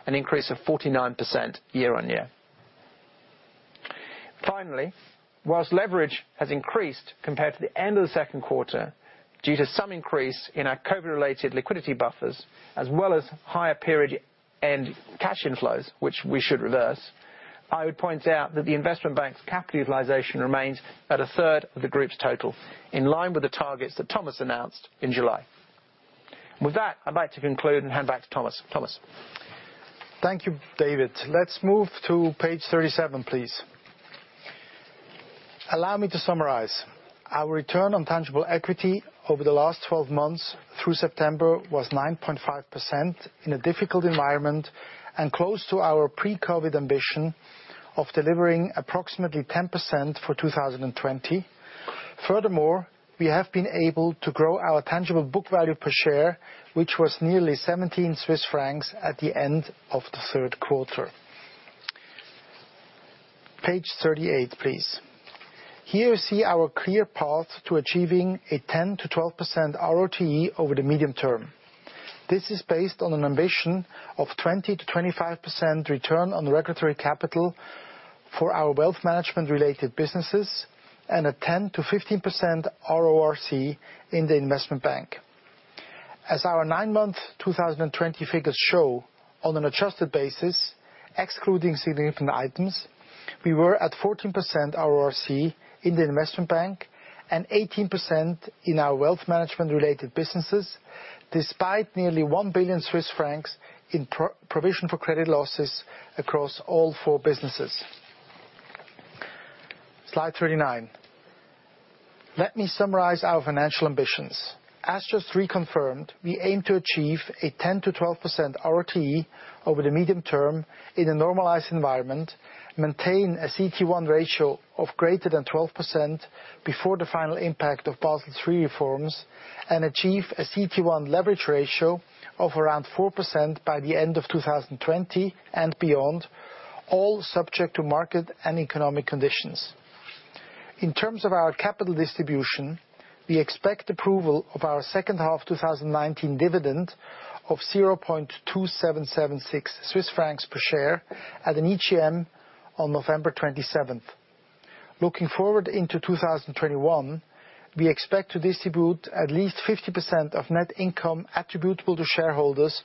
an increase of 49% year-on-year. Finally, whilst leverage has increased compared to the end of the second quarter, due to some increase in our COVID-related liquidity buffers, as well as higher period and cash inflows, which we should reverse, I would point out that the investment bank's capital utilization remains at a third of the group's total, in line with the targets that Thomas announced in July. With that, I'd like to conclude and hand back to Thomas. Thomas. Thank you, David. Let's move to page 37, please. Allow me to summarize. Our return on tangible equity over the last 12 months through September was 9.5% in a difficult environment, and close to our pre-COVID-19 ambition of delivering approximately 10% for 2020. Furthermore, we have been able to grow our tangible book value per share, which was nearly 17 Swiss francs at the end of the third quarter. Page 38, please. Here you see our clear path to achieving a 10%-12% RoTE over the medium term. This is based on an ambition of 20%-25% return on regulatory capital for our wealth management-related businesses, and a 10%-15% RoRC in the investment bank. As our nine-month 2020 figures show, on an adjusted basis, excluding significant items, we were at 14% RoRC in the investment bank and 18% in our wealth management-related businesses, despite nearly 1 billion Swiss francs in provision for credit losses across all four businesses. Slide 39. Let me summarize our financial ambitions. As just reconfirmed, we aim to achieve a 10%-12% RoTE over the medium term in a normalized environment, maintain a CET1 ratio of greater than 12% before the final impact of Basel III reforms, and achieve a CET1 leverage ratio of around 4% by the end of 2020 and beyond, all subject to market and economic conditions. In terms of our capital distribution, we expect approval of our second half 2019 dividend of 0.2776 Swiss francs per share at an EGM on November 27th. Looking forward into 2021, we expect to distribute at least 50% of net income attributable to shareholders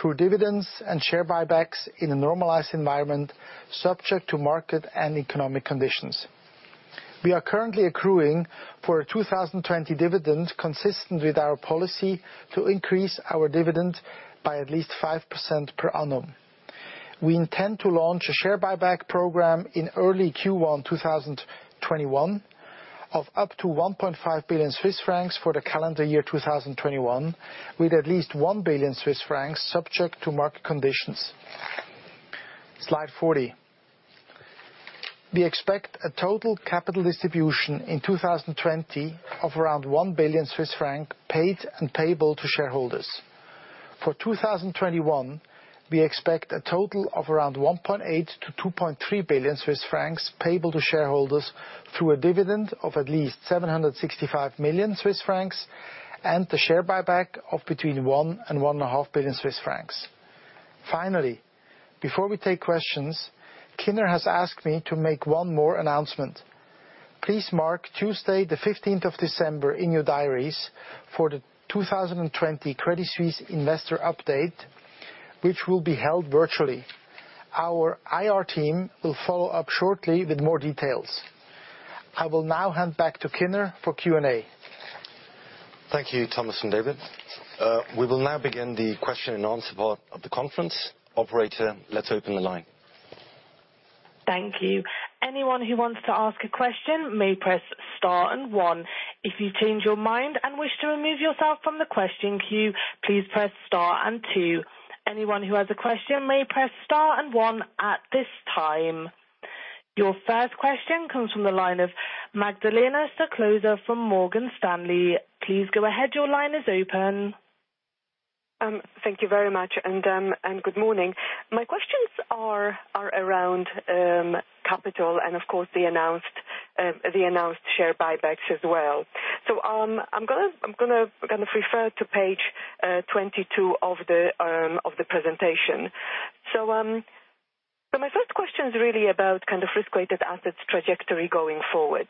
through dividends and share buybacks in a normalized environment, subject to market and economic conditions. We are currently accruing for a 2020 dividend consistent with our policy to increase our dividend by at least 5% per annum. We intend to launch a share buyback program in early Q1 2021 of up to 1.5 billion Swiss francs for the calendar year 2021, with at least 1 billion Swiss francs subject to market conditions. Slide 40. We expect a total capital distribution in 2020 of around 1 billion Swiss francs paid and payable to shareholders. For 2021, we expect a total of around 1.8 billion-2.3 billion Swiss francs payable to shareholders through a dividend of at least 765 million Swiss francs and the share buyback of between 1 billion Swiss francs and 1.5 billion Swiss francs. Finally, before we take questions, Kinner has asked me to make one more announcement. Please mark Tuesday the 15th of December in your diaries for the 2020 Credit Suisse Investor Update, which will be held virtually. Our IR team will follow up shortly with more details. I will now hand back to Kinner for Q&A. Thank you, Thomas and David. We will now begin the question and answer part of the conference. Operator, let's open the line. Thank you. Your first question comes from the line of Magdalena Stoklosa from Morgan Stanley. Please go ahead, your line is open. Thank you very much, good morning. My questions are around capital and of course, the announced share buybacks as well. I'm going to refer to page 22 of the presentation. My first question is really about risk-weighted assets trajectory going forward.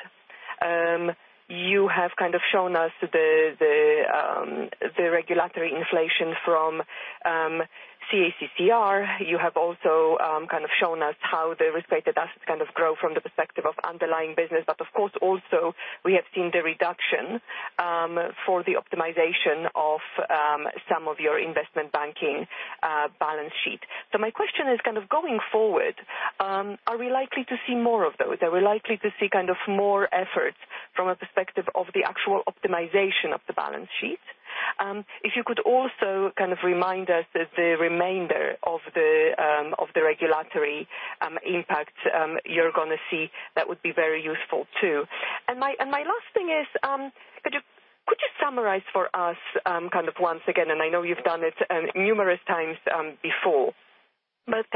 You have shown us the regulatory inflation from SA-CCR. You have also shown how the risk-weighted assets kind of grow from the perspective of underlying business. Of course, also, we have seen the reduction for the optimization of some of your investment banking balance sheet. My question is going forward, are we likely to see more of those? Are we likely to see more efforts from a perspective of the actual optimization of the balance sheet? If you could also remind us that the remainder of the regulatory impact you're going to see, that would be very useful too. My last thing is, could you summarize for us once again, and I know you've done it numerous times before, but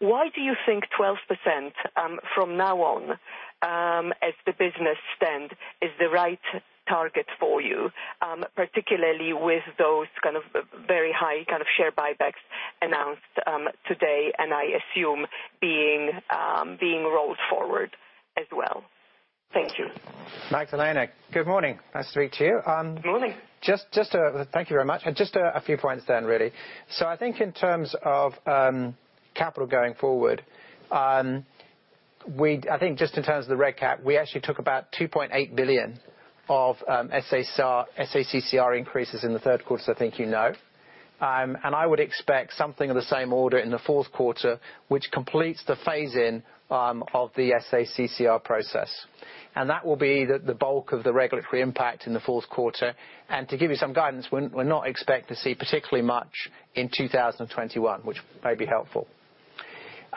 why do you think 12% from now on, as the business stand, is the right target for you, particularly with those very high kind of share buybacks announced today, and I assume being rolled forward as well? Thank you. Magdalena, good morning. Nice to speak to you. Good morning. Thank you very much. Just a few points then, really. I think in terms of capital going forward, I think just in terms of the reg cap, we actually took about 2.8 billion of SA-CCR increases in the third quarter, I think you know. I would expect something of the same order in the fourth quarter, which completes the phase-in of the SA-CCR process. That will be the bulk of the regulatory impact in the fourth quarter. To give you some guidance, we're not expect to see particularly much in 2021, which may be helpful.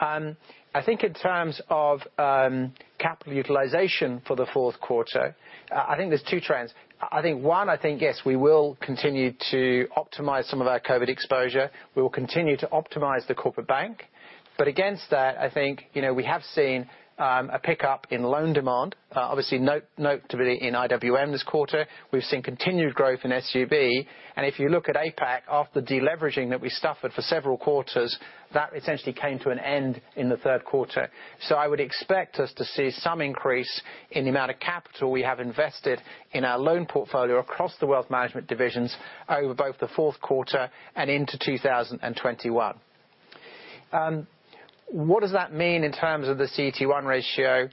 I think in terms of capital utilization for the fourth quarter, I think there's two trends. One, I think, yes, we will continue to optimize some of our COVID exposure. We will continue to optimize the corporate bank. Against that, I think, we have seen a pickup in loan demand. Obviously, notably in IWM this quarter. We've seen continued growth in SUB. If you look at APAC, after the deleveraging that we suffered for several quarters, that essentially came to an end in the third quarter. I would expect us to see some increase in the amount of capital we have invested in our loan portfolio across the wealth management divisions over both the fourth quarter and into 2021. What does that mean in terms of the CET1 ratio?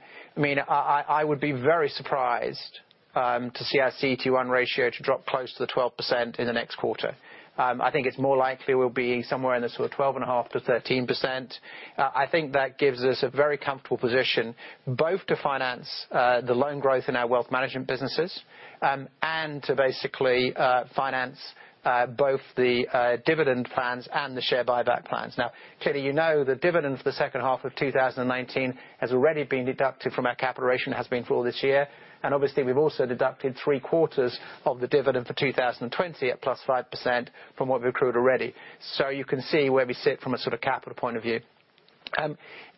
I would be very surprised to see our CET1 ratio to drop close to the 12% in the next quarter. I think it's more likely we'll be somewhere in the sort of 12.5%-13%. I think that gives us a very comfortable position, both to finance the loan growth in our wealth management businesses and to basically finance both the dividend plans and the share buyback plans. Clearly, you know the dividend for the second half of 2019 has already been deducted from our capital ratio and has been for all this year. Obviously, we've also deducted three quarters of the dividend for 2020 at +5% from what we've accrued already. You can see where we sit from a sort of capital point of view.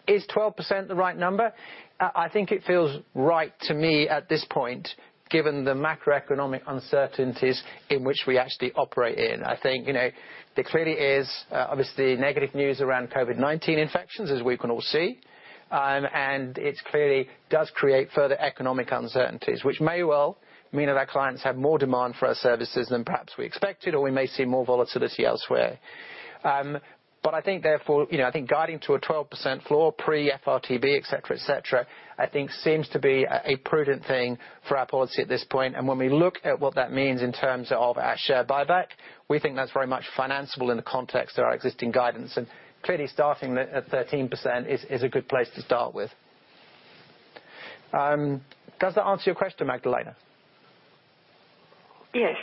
Is 12% the right number? I think it feels right to me at this point, given the macroeconomic uncertainties in which we actually operate in. I think there clearly is obviously negative news around COVID-19 infections, as we can all see. It clearly does create further economic uncertainties, which may well mean that our clients have more demand for our services than perhaps we expected, or we may see more volatility elsewhere. I think therefore, guiding to a 12% floor pre-FRTB, et cetera, I think seems to be a prudent thing for our policy at this point. When we look at what that means in terms of our share buyback, we think that's very much financiable in the context of our existing guidance. Clearly starting at 13% is a good place to start with. Does that answer your question, Magdalena? Yes.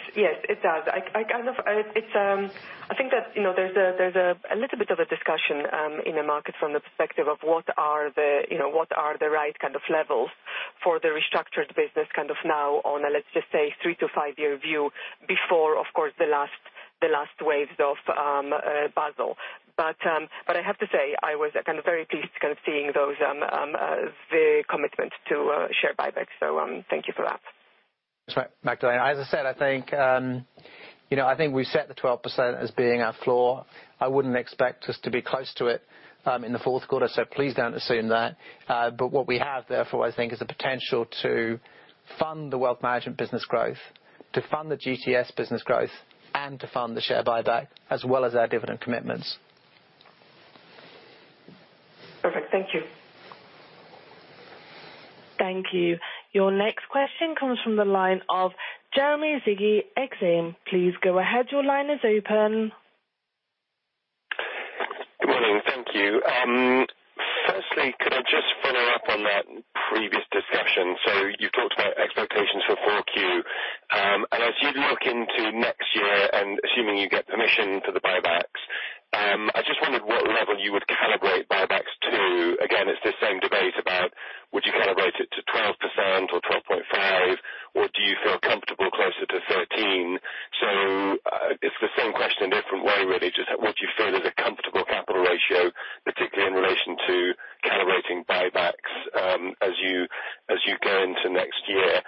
It does. I think that there's a little bit of a discussion in the market from the perspective of what are the right kind of levels for the restructured business now on a, let's just say, three to five-year view before, of course, the last waves of Basel. I have to say, I was very pleased kind of seeing the commitment to share buybacks. Thank you for that. That's right, Magdalena. As I said, I think we've set the 12% as being our floor. I wouldn't expect us to be close to it in the fourth quarter, so please don't assume that. What we have therefore, I think, is the potential to fund the wealth management business growth, to fund the GTS business growth, and to fund the share buyback, as well as our dividend commitments. Perfect. Thank you. Thank you. Your next question comes from the line of Jeremy Sigee, Exane. Please go ahead. Your line is open. Good morning. Thank you. Firstly, could I just follow up on that previous discussion? You talked about expectations for 4Q. As you look into next year, and assuming you get permission for the buybacks, I just wondered, would you calibrate it to 12% or 12.5%? Or do you feel comfortable closer to 13%? It's the same question, a different way, really. Just what do you feel is a comfortable capital ratio, particularly in relation to calibrating buybacks as you go into next year?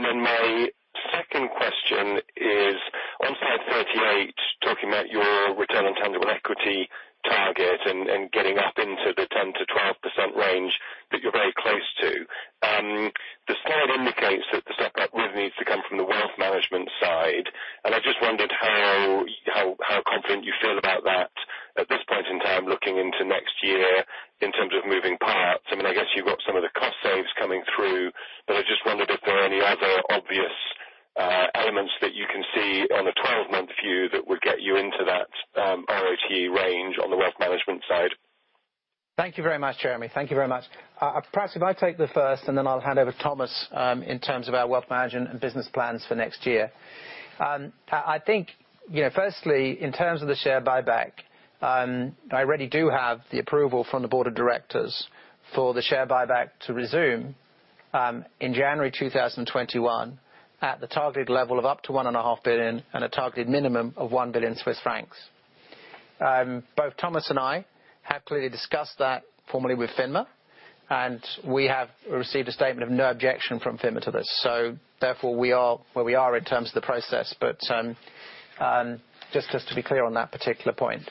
My second question is on slide 38, talking about your return on tangible equity target and getting up into the 10%-12% range that you're very close to. The slide indicates that the setup really needs to come from the wealth management side, and I just wondered how confident you feel about that at this point in time, looking into next year in terms of moving parts. I guess you've got some of the cost saves coming through, but I just wondered if there are any other obvious elements that you can see on a 12-month view that would get you into that RoTE range on the wealth management side. Thank you very much, Jeremy. Thank you very much. Perhaps if I take the first, and then I'll hand over Thomas in terms of our wealth management and business plans for next year. I think firstly, in terms of the share buyback, I already do have the approval from the board of directors for the share buyback to resume in January 2021 at the targeted level of up to 1.5 billion and a targeted minimum of 1 billion Swiss francs. Both Thomas and I have clearly discussed that formally with FINMA, and we have received a statement of no objection from FINMA to this. Therefore, we are where we are in terms of the process. Just to be clear on that particular point.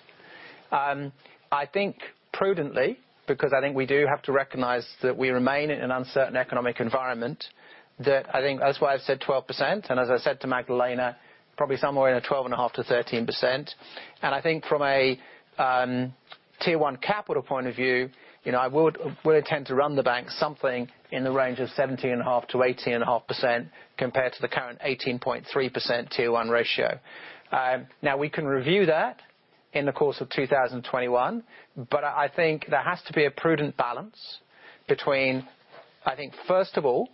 I think prudently, because I think we do have to recognize that we remain in an uncertain economic environment, that I think that's why I've said 12%. As I said to Magdalena, probably somewhere in a 12.5%-13%. I think from a Tier 1 capital point of view, I would tend to run the bank something in the range of 17.5%-18.5% compared to the current 18.3% Tier 1 ratio. Now, we can review that in the course of 2021, but I think there has to be a prudent balance between, I think, first of all,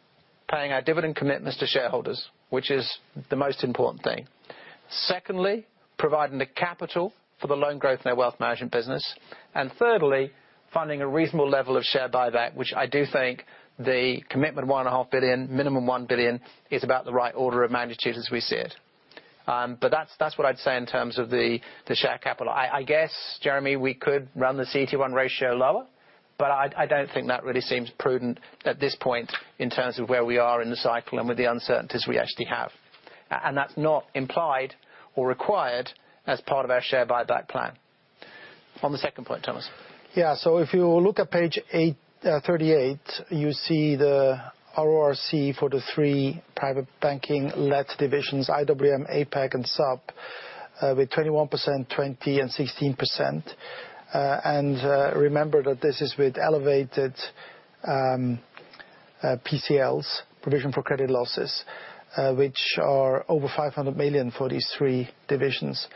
paying our dividend commitments to shareholders, which is the most important thing. Secondly, providing the capital for the loan growth in our wealth management business. Thirdly, finding a reasonable level of share buyback, which I do think the commitment of 1.5 billion, minimum 1 billion, is about the right order of magnitude as we see it. That's what I'd say in terms of the share capital. I guess, Jeremy, we could run the CET1 ratio lower, but I don't think that really seems prudent at this point in terms of where we are in the cycle and with the uncertainties we actually have. That's not implied or required as part of our share buyback plan. On the second point, Thomas. If you look at page 38, you see the RoRC for the three private banking led divisions, IWM, APAC, and SUB, with 21%, 20%, and 16%. Remember that this is with elevated PCLs, provision for credit losses, which are over 500 million for these three divisions.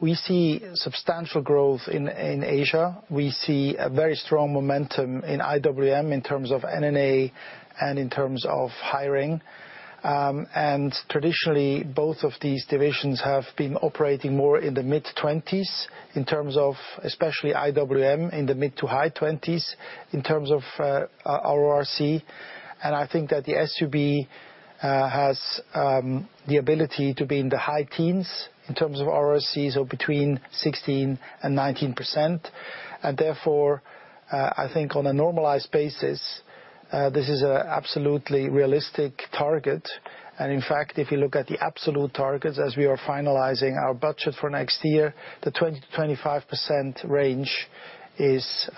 We see substantial growth in Asia. We see a very strong momentum in IWM in terms of NNA and in terms of hiring. Traditionally, both of these divisions have been operating more in the mid-20s in terms of especially IWM, in the mid to high 20s in terms of RoRC. I think that the SUB has the ability to be in the high teens in terms of RoRCs or 16%-19%. Therefore, I think on a normalized basis, this is an absolutely realistic target. In fact, if you look at the absolute targets as we are finalizing our budget for next year, the 20%-25% range is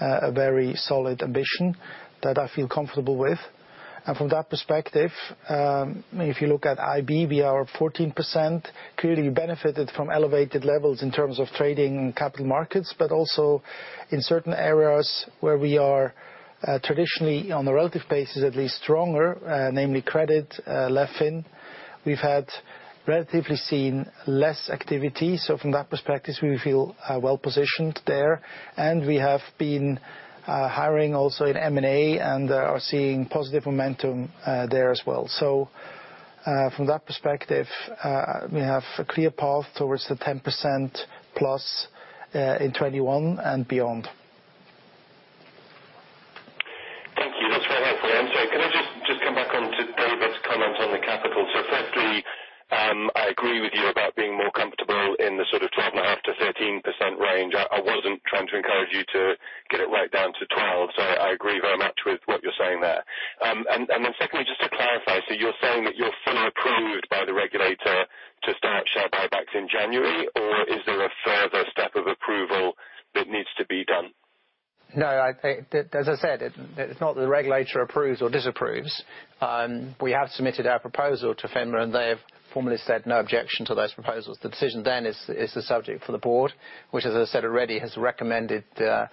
a very solid ambition that I feel comfortable with. From that perspective, if you look at IB, we are 14%, clearly benefited from elevated levels in terms of trading in capital markets, but also in certain areas where we are traditionally on a relative basis, at least stronger, namely credit, LevFin. We've had relatively seen less activity. From that perspective, we feel well-positioned there. We have been hiring also in M&A and are seeing positive momentum there as well. From that perspective, we have a clear path towards the 10%+ in 2021 and beyond. come back on to David's comment on the capital? Firstly, I agree with you about being more comfortable in the sort of 12.5%-13% range. I wasn't trying to encourage you to get it right down to 12%. I agree very much with what you're saying there. Secondly, just to clarify, you're saying that you're fully approved by the regulator to start share buybacks in January, or is there a further step of approval that needs to be done? No. As I said, it's not the regulator approves or disapproves. We have submitted our proposal to FINMA, and they have formally said no objection to those proposals. The decision then is the subject for the board, which, as I said already, has recommended the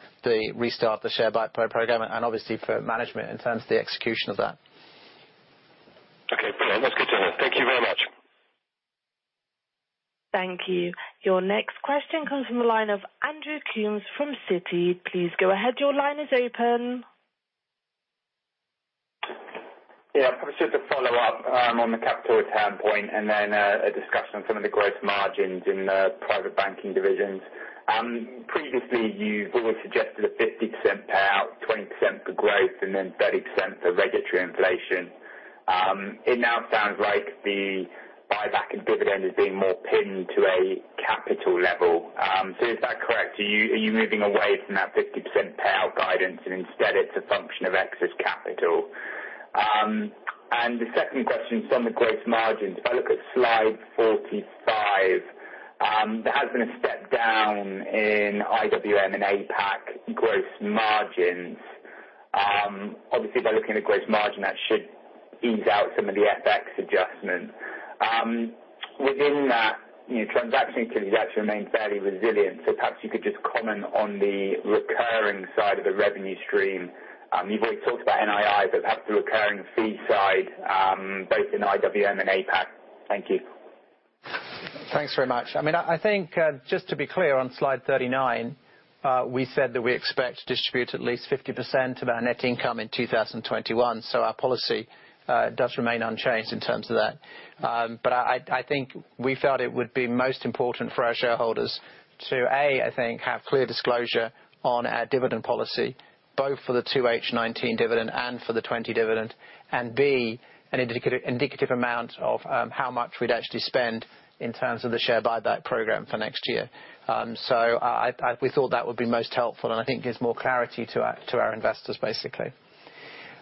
restart the share buyback program, and obviously for management in terms of the execution of that. Okay. No, that's good to hear. Thank you very much. Thank you. Your next question comes from the line of Andrew Coombs from Citi. Please go ahead. Your line is open. Probably just a follow-up on the capital return point, and then a discussion on some of the growth margins in the private banking divisions. Previously, you've always suggested a 50% payout, 20% for growth, and then 30% for regulatory inflation. It now sounds like the buyback and dividend is being more pinned to a capital level. Is that correct? Are you moving away from that 50% payout guidance, and instead it's a function of excess capital? The second question is on the gross margins. If I look at slide 45, there has been a step down in IWM and APAC gross margins. Obviously, by looking at gross margin, that should ease out some of the FX adjustments. Within that, transaction activity has actually remained fairly resilient. Perhaps you could just comment on the recurring side of the revenue stream. You've always talked about NII, but perhaps the recurring fee side, both in IWM and APAC. Thank you. Thanks very much. I think, just to be clear, on slide 39, we said that we expect to distribute at least 50% of our net income in 2021. Our policy does remain unchanged in terms of that. I think we felt it would be most important for our shareholders to, A, I think, have clear disclosure on our dividend policy, both for the 2H 2019 dividend and for the 2020 dividend, and B, an indicative amount of how much we'd actually spend in terms of the share buyback program for next year. We thought that would be most helpful, and I think gives more clarity to our investors, basically.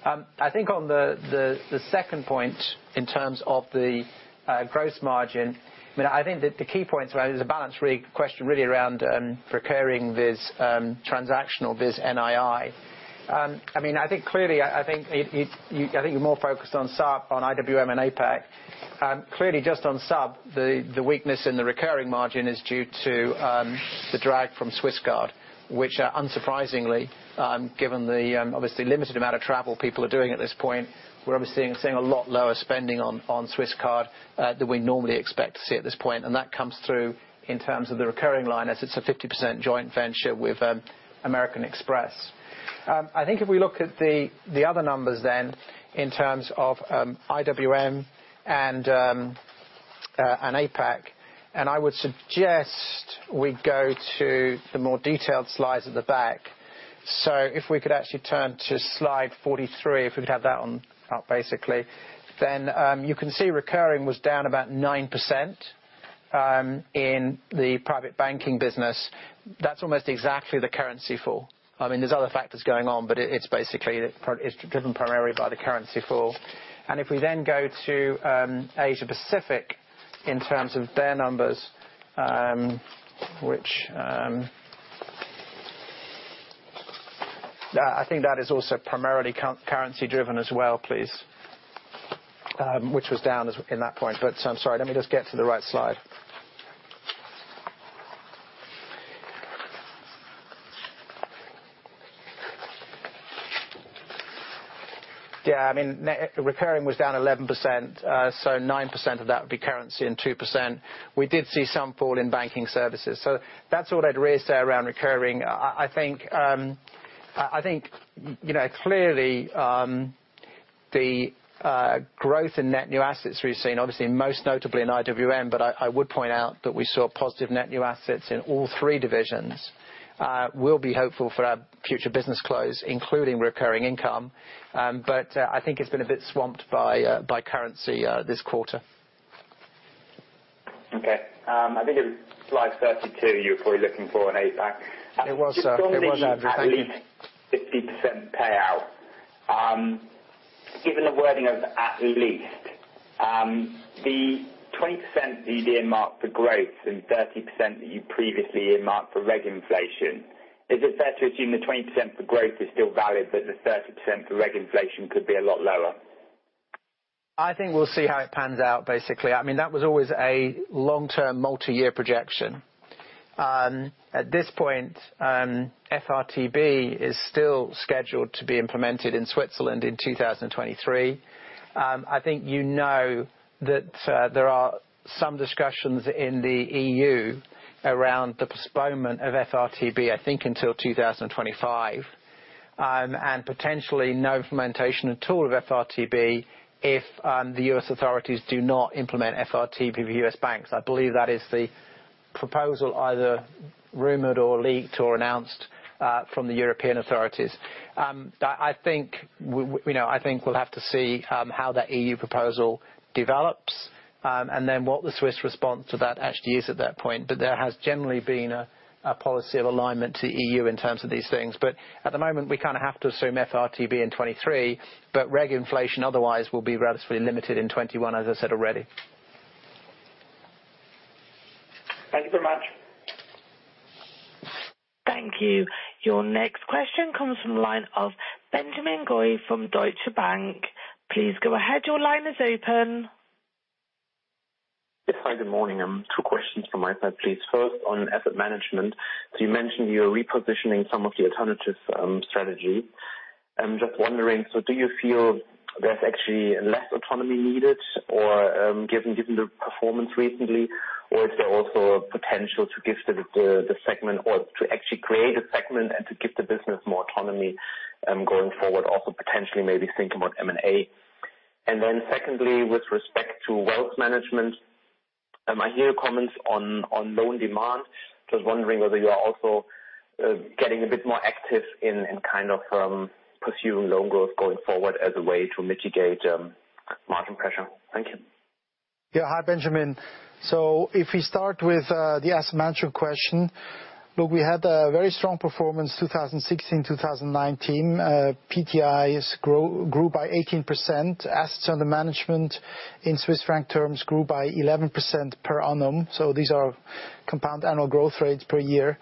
I think on the second point, in terms of the gross margin, I think that the key points around it is a balance question really around recurring vis transactional, vis NII. I think you're more focused on SUB, on IWM and APAC. Clearly, just on SUB, the weakness in the recurring margin is due to the drag from Swisscard, which unsurprisingly, given the obviously limited amount of travel people are doing at this point, we're obviously seeing a lot lower spending on Swisscard than we normally expect to see at this point. That comes through in terms of the recurring line as it's a 50% joint venture with American Express. I think if we look at the other numbers then, in terms of IWM and APAC, I would suggest we go to the more detailed slides at the back. If we could actually turn to slide 43, if we could have that one up, basically. You can see recurring was down about 9% in the private banking business. That's almost exactly the currency fall. There's other factors going on, but it's driven primarily by the currency fall. If we then go to Asia Pacific in terms of their numbers, which I think that is also primarily currency driven as well, please. Which was down in that point. I'm sorry, let me just get to the right slide. Yeah. Recurring was down 11%, so 9% of that would be currency, and 2%, we did see some fall in banking services. That's all I'd really say around recurring. I think clearly, the growth in net new assets we've seen, obviously most notably in IWM, but I would point out that we saw positive net new assets in all three divisions. We'll be hopeful for our future business close, including recurring income. I think it's been a bit swamped by currency this quarter. Okay. I think it was slide 32 you were probably looking for on APAC. Just on the at least 50% payout. Given the wording of at least, the 20% that you then marked for growth and 30% that you previously earmarked for reg inflation, is it fair to assume the 20% for growth is still valid, but the 30% for reg inflation could be a lot lower? I think we'll see how it pans out, basically. That was always a long-term, multi-year projection. At this point, FRTB is still scheduled to be implemented in Switzerland in 2023. I think you know that there are some discussions in the EU around the postponement of FRTB, I think until 2025. Potentially no implementation at all of FRTB if the U.S. authorities do not implement FRTB with U.S. banks. I believe that is the proposal either rumored or leaked or announced from the European authorities. I think we'll have to see how that EU proposal develops, what the Swiss response to that actually is at that point. There has generally been a policy of alignment to EU in terms of these things. At the moment, we kind of have to assume FRTB in 2023, but reg inflation otherwise will be relatively limited in 2021, as I said already. Thank you very much. Thank you. Your next question comes from the line of Benjamin Goy from Deutsche Bank. Please go ahead. Yes. Hi, good morning. Two questions from my side, please. First, on asset management, so you mentioned you're repositioning some of the alternatives strategy. I'm just wondering, so do you feel there's actually less autonomy needed given the performance recently, or is there also a potential to give the segment or to actually create a segment and to give the business more autonomy going forward? Also potentially maybe think about M&A. Secondly, with respect to wealth management. I hear your comments on loan demand. Just wondering whether you are also getting a bit more active in pursuing loan growth going forward as a way to mitigate margin pressure. Thank you. Yeah. Hi, Benjamin. If we start with the asset management question, look, we had a very strong performance 2016, 2019. PTIs grew by 18%. Assets under management in CHF terms grew by 11% per annum. These are compound annual growth rates per year.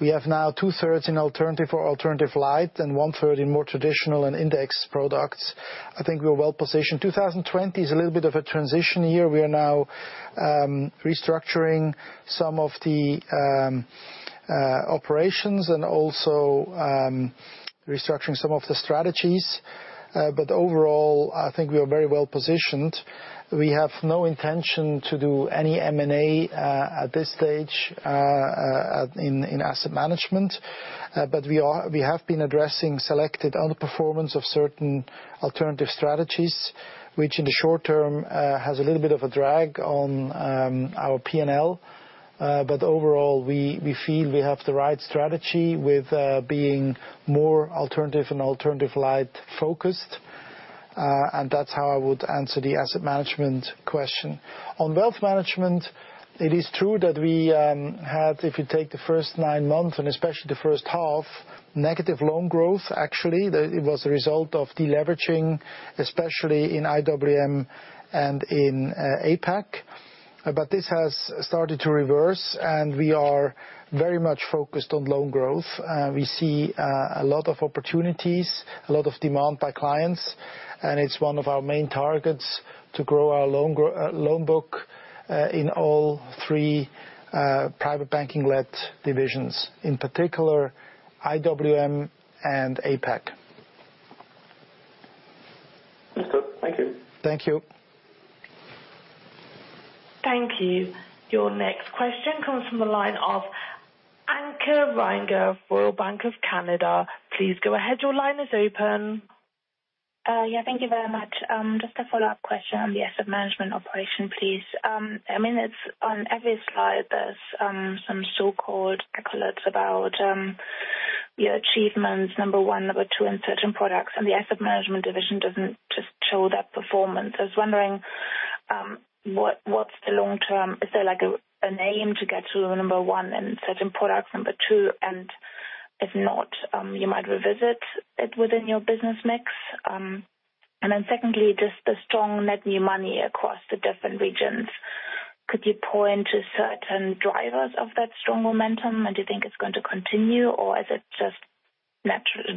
We have now two-thirds in alternative or alternative light and one-third in more traditional and index products. I think we're well-positioned. 2020 is a little bit of a transition year. We are now restructuring some of the operations and also restructuring some of the strategies. Overall, I think we are very well-positioned. We have no intention to do any M&A at this stage in asset management. We have been addressing selected underperformance of certain alternative strategies, which in the short term, has a little bit of a drag on our P&L. Overall, we feel we have the right strategy with being more alternative and alternative light-focused. That's how I would answer the asset management question. On wealth management, it is true that we had, if you take the first nine months and especially the first half, negative loan growth, actually. It was a result of deleveraging, especially in IWM and in APAC. This has started to reverse, and we are very much focused on loan growth. We see a lot of opportunities, a lot of demand by clients, and it's one of our main targets to grow our loan book, in all three private banking-led divisions, in particular IWM and APAC. That's good. Thank you. Thank you. Thank you. Your next question comes from the line of Anke Reingen of Royal Bank of Canada. Please go ahead. Your line is open. Yeah, thank you very much. Just a follow-up question on the asset management operation, please. On every slide, there's some so-called accolades about your achievements, number one, number two, in certain products, and the asset management division doesn't just show that performance. I was wondering, what's the long term? Is there an aim to get to number one in certain products, number two, and if not, you might revisit it within your business mix? Secondly, just the strong net new money across the different regions. Could you point to certain drivers of that strong momentum, and do you think it's going to continue, or is it just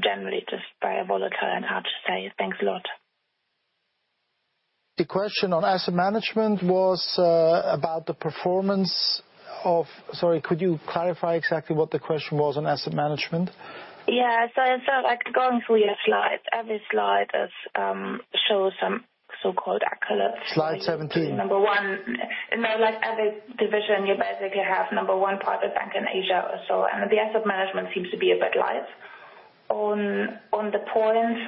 generally just very volatile and hard to say? Thanks a lot. Sorry, could you clarify exactly what the question was on asset management? Yeah. going through your slides, every slide shows some so-called accolades- Slide 17. -number one. No, like every division, you basically have number one private bank in Asia or so, and the asset management seems to be a bit light. On the points,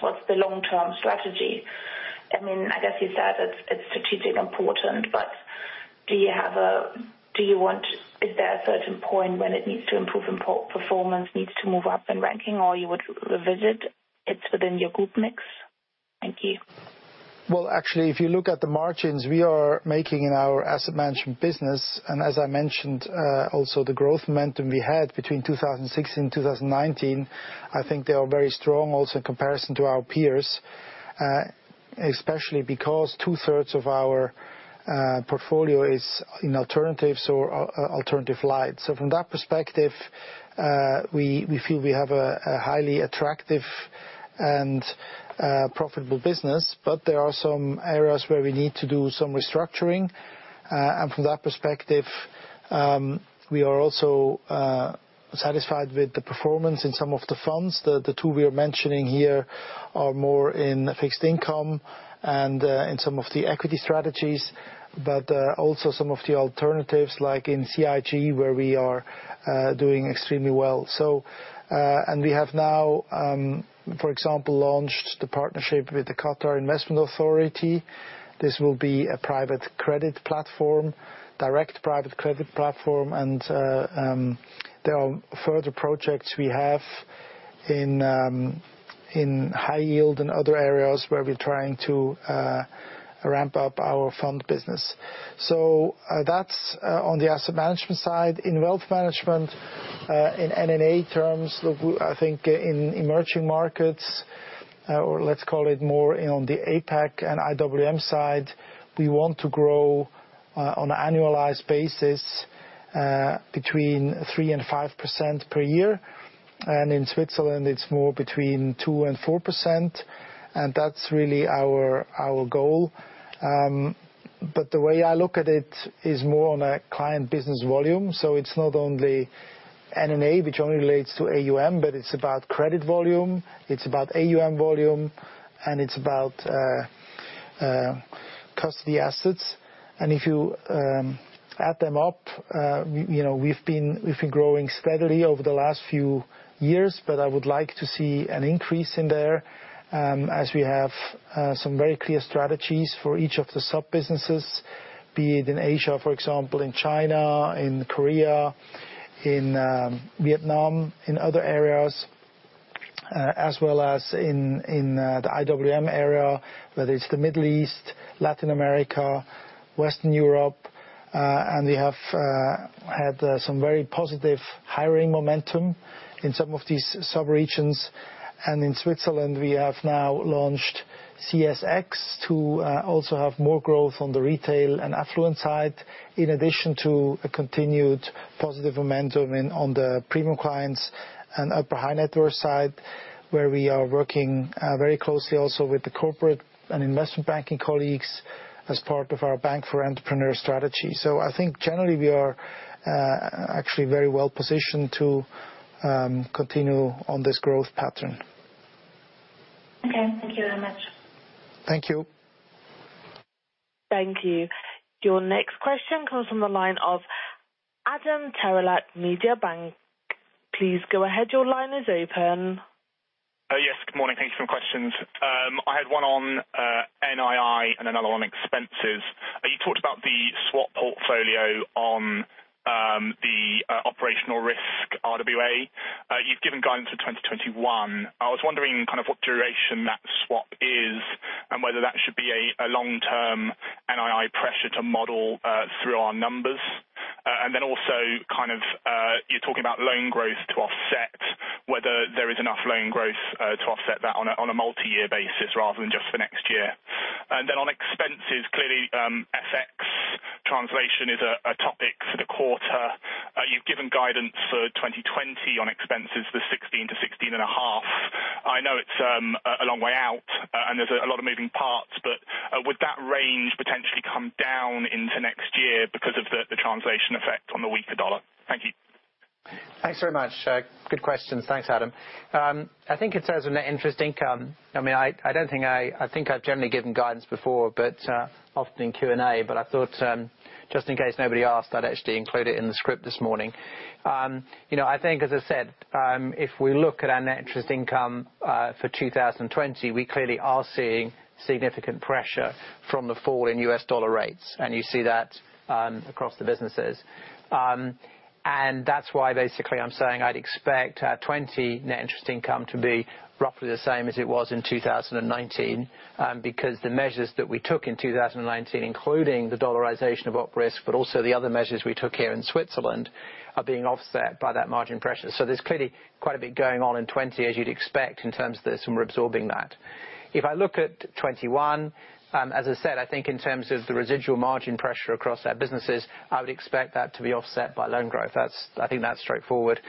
what's the long-term strategy? I guess you said it's strategically important, but is there a certain point when it needs to improve in performance, needs to move up in ranking, or you would revisit it within your group mix? Thank you. Well, actually, if you look at the margins we are making in our asset management business, and as I mentioned, also the growth momentum we had between 2016 and 2019, I think they are very strong also in comparison to our peers, especially because 2/3 of our portfolio is in alternatives or alternative light. From that perspective, we feel we have a highly attractive and profitable business, but there are some areas where we need to do some restructuring. From that perspective, we are also satisfied with the performance in some of the funds. The two we are mentioning here are more in fixed income and in some of the equity strategies. Also some of the alternatives, like in CIG, where we are doing extremely well. We have now, for example, launched the partnership with the Qatar Investment Authority. This will be a private credit platform, direct private credit platform, and there are further projects we have in high yield in other areas where we're trying to ramp up our fund business. That's on the asset management side. In wealth management, in NNA terms, look, I think in emerging markets, or let's call it more on the APAC and IWM side, we want to grow on an annualized basis between 3% and 5% per year. In Switzerland, it's more between 2% and 4%, and that's really our goal. The way I look at it is more on a client business volume. It's not only NNA, which only relates to AUM, but it's about credit volume, it's about AUM volume, and it's about custody assets. If you add them up, we've been growing steadily over the last few years, but I would like to see an increase in there as we have some very clear strategies for each of the sub-businesses, be it in Asia, for example, in China, in Korea, in Vietnam, in other areas, as well as in the IWM area, whether it's the Middle East, Latin America, Western Europe. We have had some very positive hiring momentum in some of these sub-regions. In Switzerland, we have now launched CSX to also have more growth on the retail and affluent side, in addition to a continued positive momentum on the premium clients and upper high net worth side, where we are working very closely also with the corporate and investment banking colleagues as part of our Bank for Entrepreneur strategy. I think generally we are actually very well positioned to continue on this growth pattern. Okay. Thank you very much. Thank you. Thank you. Your next question comes from the line of Adam Terelak, Mediobanca. Please go ahead. Your line is open. Yes, good morning. Thank you for my questions. I had one on NII and another one on expenses. You talked about the swap portfolio on the operational risk RWA. You've given guidance for 2021. I was wondering kind of what duration that swap is and whether that should be a long-term NII pressure to model through our numbers. You're talking about loan growth to offset whether there is enough loan growth to offset that on a multi-year basis rather than just for next year. On expenses, clearly FX translation is a topic for the quarter. You've given guidance for 2020 on expenses, the 16 billion-16.5 billion. I know it's a long way out, and there's a lot of moving parts, would that range potentially come down into next year because of the translation effect on the weaker dollar? Thank you. Thanks very much. Good questions. Thanks, Adam. I think it says net interest income. I think I've generally given guidance before, but often in Q&A, but I thought just in case nobody asked, I'd actually include it in the script this morning. I think, as I said, if we look at our net interest income for 2020, we clearly are seeing significant pressure from the fall in U.S. dollar rates, and you see that across the businesses. That's why basically I'm saying I'd expect our 2020 net interest income to be roughly the same as it was in 2019, because the measures that we took in 2019, including the dollarization of op risk, but also the other measures we took here in Switzerland, are being offset by that margin pressure. There's clearly quite a bit going on in 2020, as you'd expect, in terms of some absorbing that. If I look at 2021, as I said, I think in terms of the residual margin pressure across our businesses, I would expect that to be offset by loan growth. I think that's straightforward.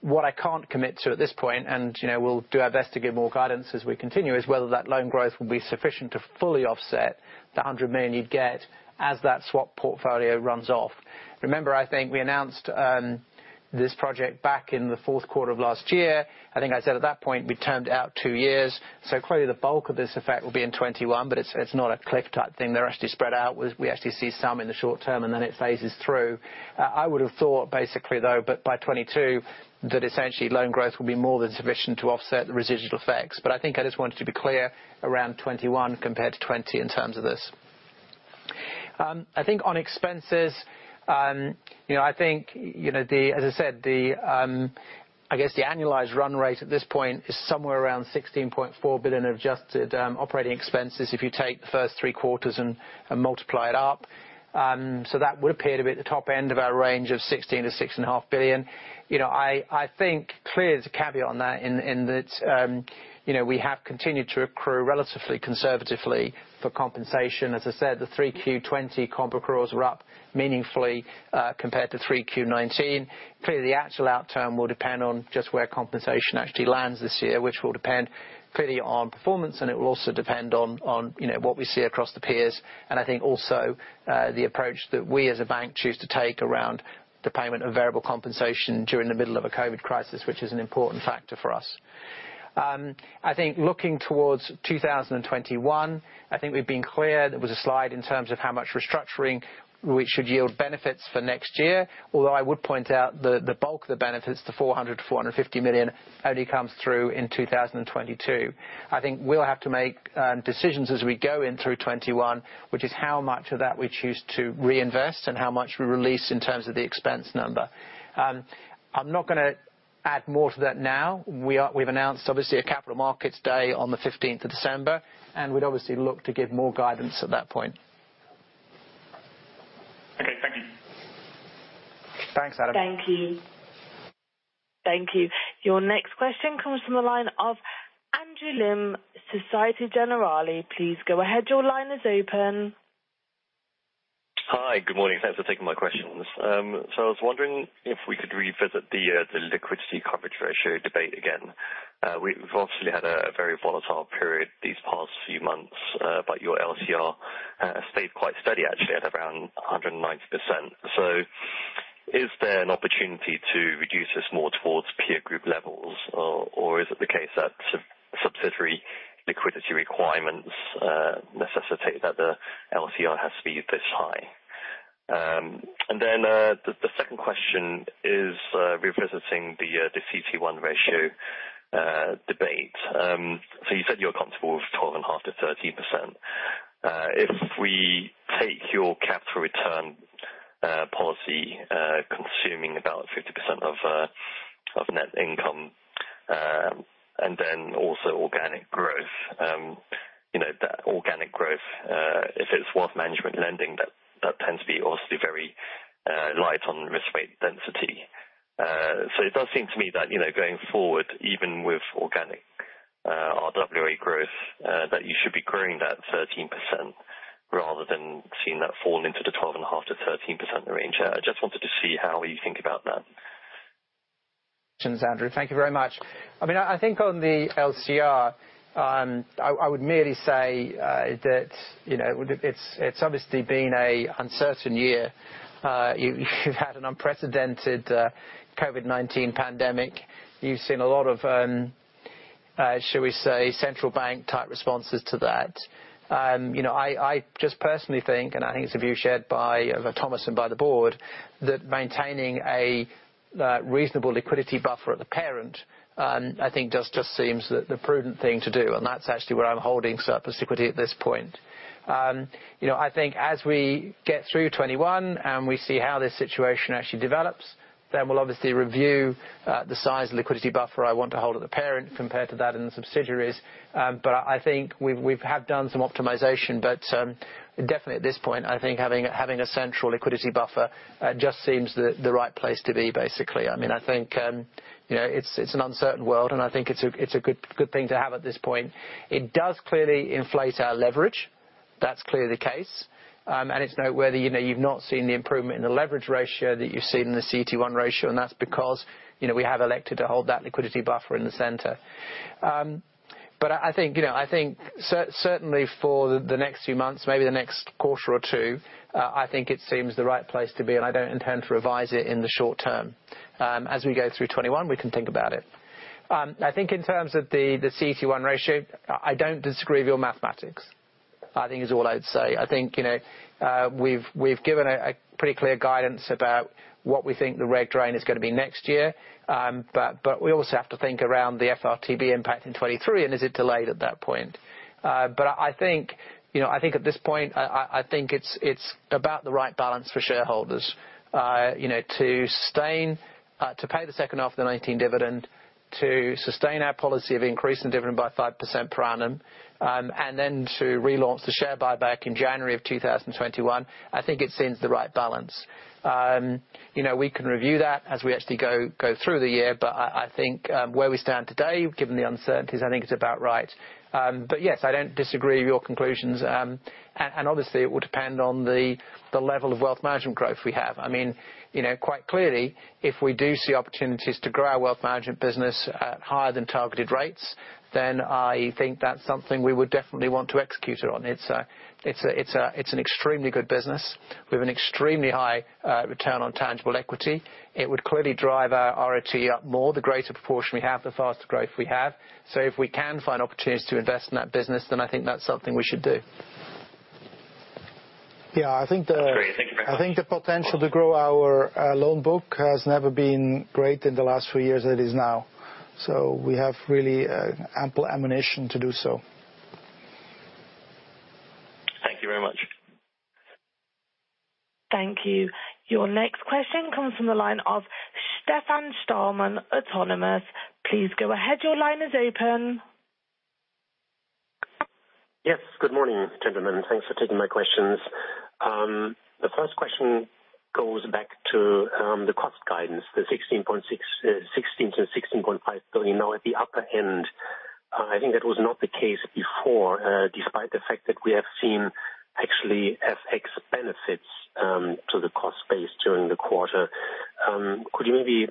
What I can't commit to at this point, and we'll do our best to give more guidance as we continue, is whether that loan growth will be sufficient to fully offset the 100 million you'd get as that swap portfolio runs off. Remember, I think we announced this project back in the fourth quarter of last year. I think I said at that point, we termed out two years. Clearly the bulk of this effect will be in 2021, but it's not a cliff type thing. They're actually spread out. We actually see some in the short term, and then it phases through. I would have thought basically, though, by 2022, that essentially loan growth will be more than sufficient to offset the residual effects. I think I just wanted to be clear around 2021 compared to 2020 in terms of this. I think on expenses, as I said, I guess the annualized run rate at this point is somewhere around 16.4 billion of adjusted operating expenses if you take the first three quarters and multiply it up. That would appear to be at the top end of our range of 16 billion-16.5 billion. I think clearly there's a caveat on that in that we have continued to accrue relatively conservatively for compensation. As I said, the 3Q 2020 comp accruals were up meaningfully compared to 3Q 2019. Clearly, the actual outcome will depend on just where compensation actually lands this year, which will depend clearly on performance, and it will also depend on what we see across the peers, and I think also the approach that we as a bank choose to take around the payment of variable compensation during the middle of a COVID crisis, which is an important factor for us. I think looking towards 2021, I think we've been clear. There was a slide in terms of how much restructuring we should yield benefits for next year. Although I would point out the bulk of the benefits, the 400 million-450 million, only comes through in 2022. I think we'll have to make decisions as we go in through 2021, which is how much of that we choose to reinvest and how much we release in terms of the expense number. I'm not going to add more to that now. We've announced obviously a capital markets day on the 15th of December. We'd obviously look to give more guidance at that point. Okay, thank you. Thanks, Adam. Thank you. Thank you. Your next question comes from the line of Andrew Lim, Société Générale. Please go ahead. Your line is open. Hi, good morning. Thanks for taking my questions. I was wondering if we could revisit the liquidity coverage ratio debate again. We've obviously had a very volatile period these past few months, your LCR has stayed quite steady, actually, at around 190%. Is there an opportunity to reduce this more towards peer group levels? Is it the case that subsidiary liquidity requirements necessitate that the LCR has to be this high? The second question is revisiting the CET1 ratio debate. You said you're comfortable with 12.5%-13%. If we take your capital return policy, consuming about 50% of net income, also organic growth. That organic growth, if it's wealth management lending, that tends to be also very light on risk weight density. It does seem to me that going forward, even with organic RWA growth, that you should be growing that 13% rather than seeing that fall into the 12.5%-13% range. I just wanted to see how you think about that. Andrew, thank you very much. I think on the LCR, I would merely say that it is obviously been an uncertain year. You have had an unprecedented COVID-19 pandemic. You have seen a lot of, should we say, central bank type responses to that. I just personally think, and I think it is a view shared by Thomas and by the board, that maintaining a reasonable liquidity buffer at the parent, I think just seems the prudent thing to do. That is actually where I am holding surplus equity at this point. I think as we get through 2021, and we see how this situation actually develops, then we will obviously review the size liquidity buffer I want to hold at the parent compared to that in the subsidiaries. I think we have done some optimization. Definitely at this point, I think having a central liquidity buffer just seems the right place to be, basically. I think it's an uncertain world, and I think it's a good thing to have at this point. It does clearly inflate our leverage. That's clearly the case. It's noteworthy, you've not seen the improvement in the leverage ratio that you've seen in the CET1 ratio, and that's because we have elected to hold that liquidity buffer in the center. I think certainly for the next few months, maybe the next quarter or two, I think it seems the right place to be, and I don't intend to revise it in the short term. As we go through 2021, we can think about it. I think in terms of the CET1 ratio, I don't disagree with your mathematics. I think is all I'd say. I think we've given a pretty clear guidance about what we think the reg drain is going to be next year. We also have to think around the FRTB impact in 2023, and is it delayed at that point? I think at this point, I think it's about the right balance for shareholders. To pay the second half of the 2019 dividend, to sustain our policy of increasing dividend by 5% per annum, and then to relaunch the share buyback in January of 2021. I think it seems the right balance. We can review that as we actually go through the year. I think where we stand today, given the uncertainties, I think it's about right. Yes, I don't disagree with your conclusions. Obviously it will depend on the level of wealth management growth we have. Quite clearly, if we do see opportunities to grow our wealth management business at higher than targeted rates, then I think that's something we would definitely want to execute it on. It's an extremely good business. We have an extremely high return on tangible equity. It would clearly drive our RoTE up more. The greater proportion we have, the faster growth we have. If we can find opportunities to invest in that business, then I think that's something we should do. Yeah, I think the- I think the potential to grow our loan book has never been great in the last few years than it is now. We have really ample ammunition to do so. Thank you very much. Thank you. Your next question comes from the line of Stefan Stalmann, Autonomous. Please go ahead. Your line is open. Yes. Good morning, gentlemen. Thanks for taking my questions. The first question goes back to the cost guidance, the 16 billion-16.5 billion now at the upper end. I think that was not the case before, despite the fact that we have seen actually FX benefits to the cost base during the quarter. Could you maybe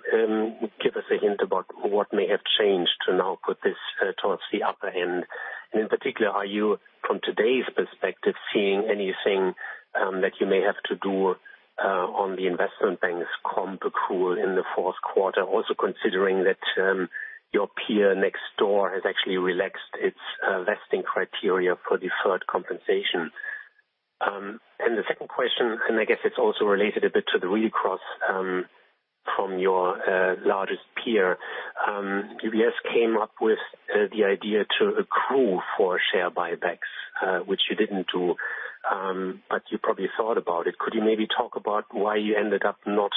give us a hint about what may have changed to now put this towards the upper end? In particular, are you, from today's perspective, seeing anything that you may have to do on the Investment Bank's comp accrual in the fourth quarter? Also considering that your peer next door has actually relaxed its vesting criteria for deferred compensation. The second question, I guess it's also related a bit to the read-across from your largest peer. UBS came up with the idea to accrue for share buybacks, which you didn't do. You probably thought about it. Could you maybe talk about why you ended up not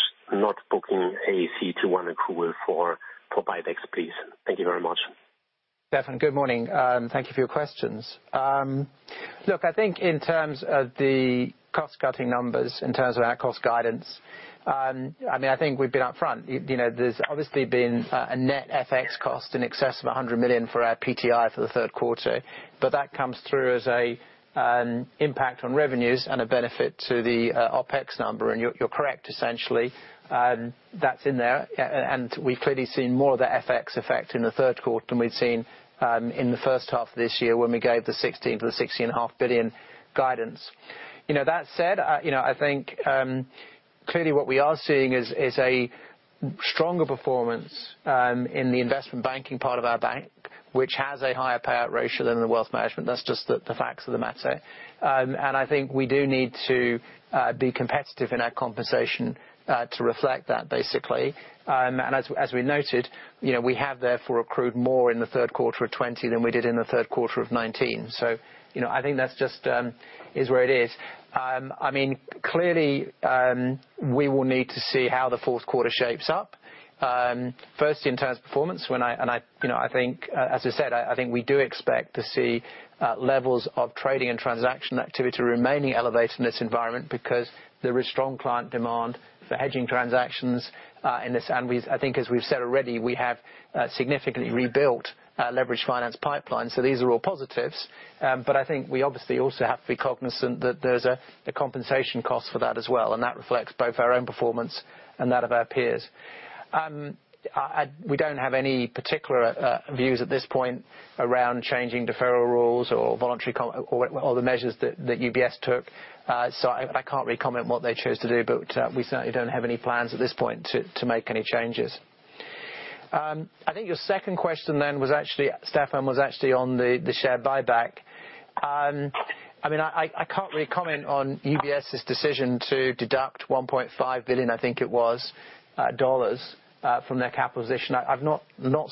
booking a CET1 accrual for buybacks, please? Thank you very much. Stefan, good morning. Thank you for your questions. I think in terms of the cost cutting numbers, in terms of our cost guidance. I think we've been up front. There's obviously been a net FX cost in excess of 100 million for our PTI for the third quarter. That comes through as an impact on revenues and a benefit to the OpEx number. You're correct, essentially. That's in there, we've clearly seen more of that FX effect in the third quarter than we'd seen in the first half of this year when we gave the 16 billion-16.5 billion guidance. That said, I think clearly what we are seeing is a stronger performance in the investment banking part of our bank, which has a higher payout ratio than the wealth management. That's just the facts of the matter. I think we do need to be competitive in our compensation to reflect that, basically. As we noted, we have therefore accrued more in the third quarter of 2020 than we did in the third quarter of 2019. I think that just is where it is. Clearly, we will need to see how the fourth quarter shapes up. First, in terms of performance, as I said, I think we do expect to see levels of trading and transaction activity remaining elevated in this environment because there is strong client demand for hedging transactions. I think as we've said already, we have significantly rebuilt leverage finance pipeline. These are all positives. I think we obviously also have to be cognizant that there's a compensation cost for that as well, and that reflects both our own performance and that of our peers. We don't have any particular views at this point around changing deferral rules or all the measures that UBS took. I can't really comment what they chose to do, but we certainly don't have any plans at this point to make any changes. I think your second question, Stefan, was actually on the share buyback. I can't really comment on UBS's decision to deduct 1.5 billion, I think it was, from their capital position. I've not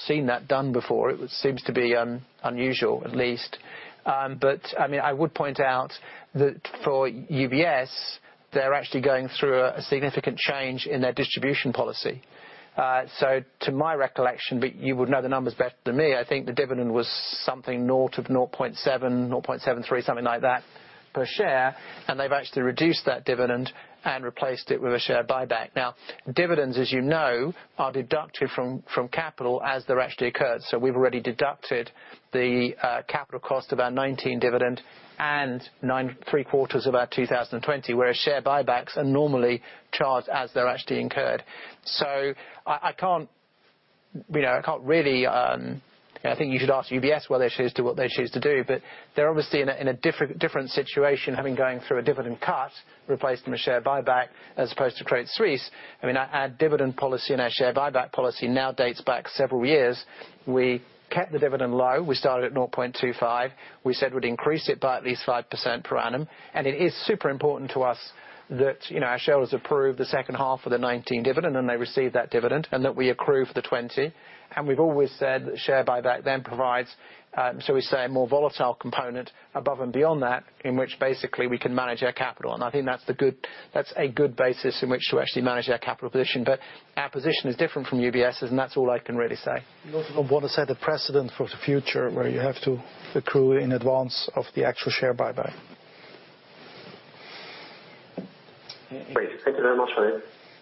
seen that done before. It seems to be unusual, at least. I would point out that for UBS, they're actually going through a significant change in their distribution policy. To my recollection, but you would know the numbers better than me, I think the dividend was something 0 of 0.7, 0.73, something like that per share, and they've actually reduced that dividend and replaced it with a share buyback. Dividends, as you know, are deducted from capital as they're actually occurred. We've already deducted the capital cost of our 2019 dividend and three quarters of our 2020, whereas share buybacks are normally charged as they're actually incurred. I think you should ask UBS why they choose to do what they choose to do. They're obviously in a different situation, having going through a dividend cut, replaced them a share buyback, as opposed to Credit Suisse. Our dividend policy and our share buyback policy now dates back several years. We kept the dividend low. We started at 0.25. We said we'd increase it by at least 5% per annum. It is super important to us that our shareholders approve the second half of the 2019 dividend and they receive that dividend, and that we accrue for the 2020. We've always said that share buyback then provides, shall we say, a more volatile component above and beyond that, in which basically we can manage our capital. I think that's a good basis in which to actually manage our capital position. Our position is different from UBS's, and that's all I can really say. You also don't want to set a precedent for the future where you have to accrue in advance of the actual share buyback. Great. Thank you very much.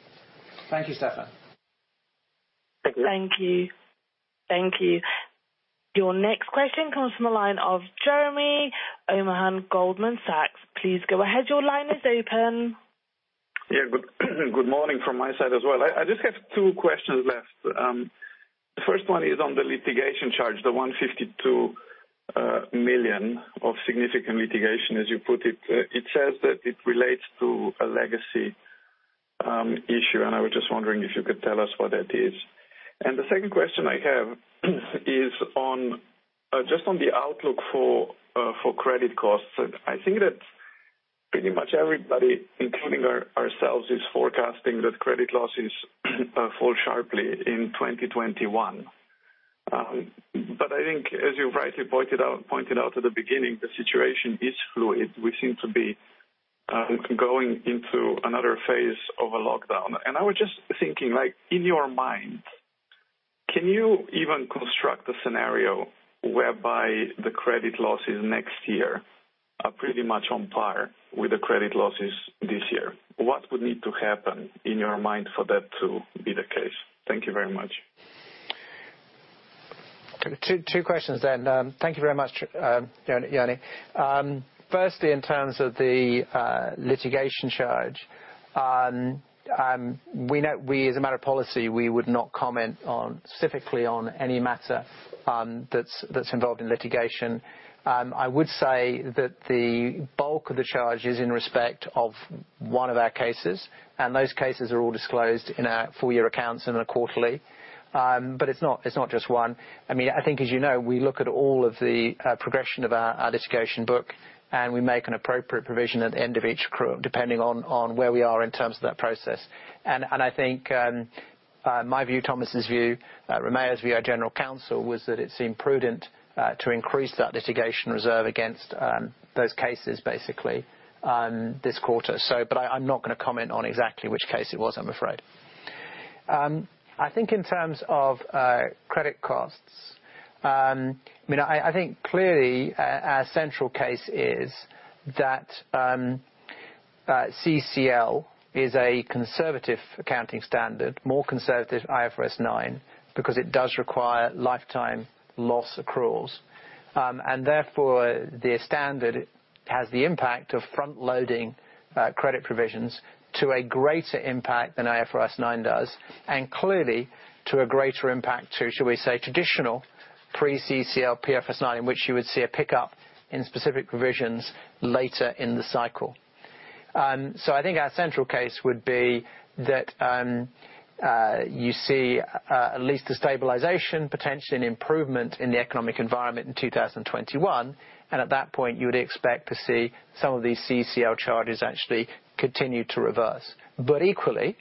Thank you, Stefan. Thank you. Thank you. Your next question comes from the line of Jernej Omahen, Goldman Sachs. Please go ahead. Your line is open. Good morning from my side as well. I just have two questions left. The first one is on the litigation charge, the 152 million of significant litigation, as you put it. It says that it relates to a legacy issue. I was just wondering if you could tell us what that is. The second question I have is just on the outlook for credit costs. I think that pretty much everybody, including ourselves, is forecasting that credit losses fall sharply in 2021. I think as you rightly pointed out at the beginning, the situation is fluid. We seem to be going into another phase of a lockdown. I was just thinking, in your mind, can you even construct a scenario whereby the credit losses next year are pretty much on par with the credit losses this year? What would need to happen in your mind for that to be the case? Thank you very much. Two questions. Thank you very much, Jernej. Firstly, in terms of the litigation charge. As a matter of policy, we would not comment specifically on any matter that's involved in litigation. I would say that the bulk of the charge is in respect of one of our cases. Those cases are all disclosed in our full year accounts in a quarterly. It's not just one. I think as you know, we look at all of the progression of our litigation book, we make an appropriate provision at the end of each accrual, depending on where we are in terms of that process. I think my view, Thomas's view, Romeo's view, our General Counsel, was that it seemed prudent to increase that litigation reserve against those cases, basically, this quarter. I'm not going to comment on exactly which case it was, I'm afraid. I think in terms of credit costs, I think clearly our central case is that CECL is a conservative accounting standard, more conservative IFRS 9, because it does require lifetime loss accruals. Therefore, the standard has the impact of front loading credit provisions to a greater impact than IFRS 9 does, and clearly to a greater impact to, shall we say, traditional pre-CECL pre-IFRS 9, in which you would see a pickup in specific provisions later in the cycle. I think our central case would be that you see at least a stabilization, potentially an improvement in the economic environment in 2021. At that point, you would expect to see some of these CECL charges actually continue to reverse. Equally,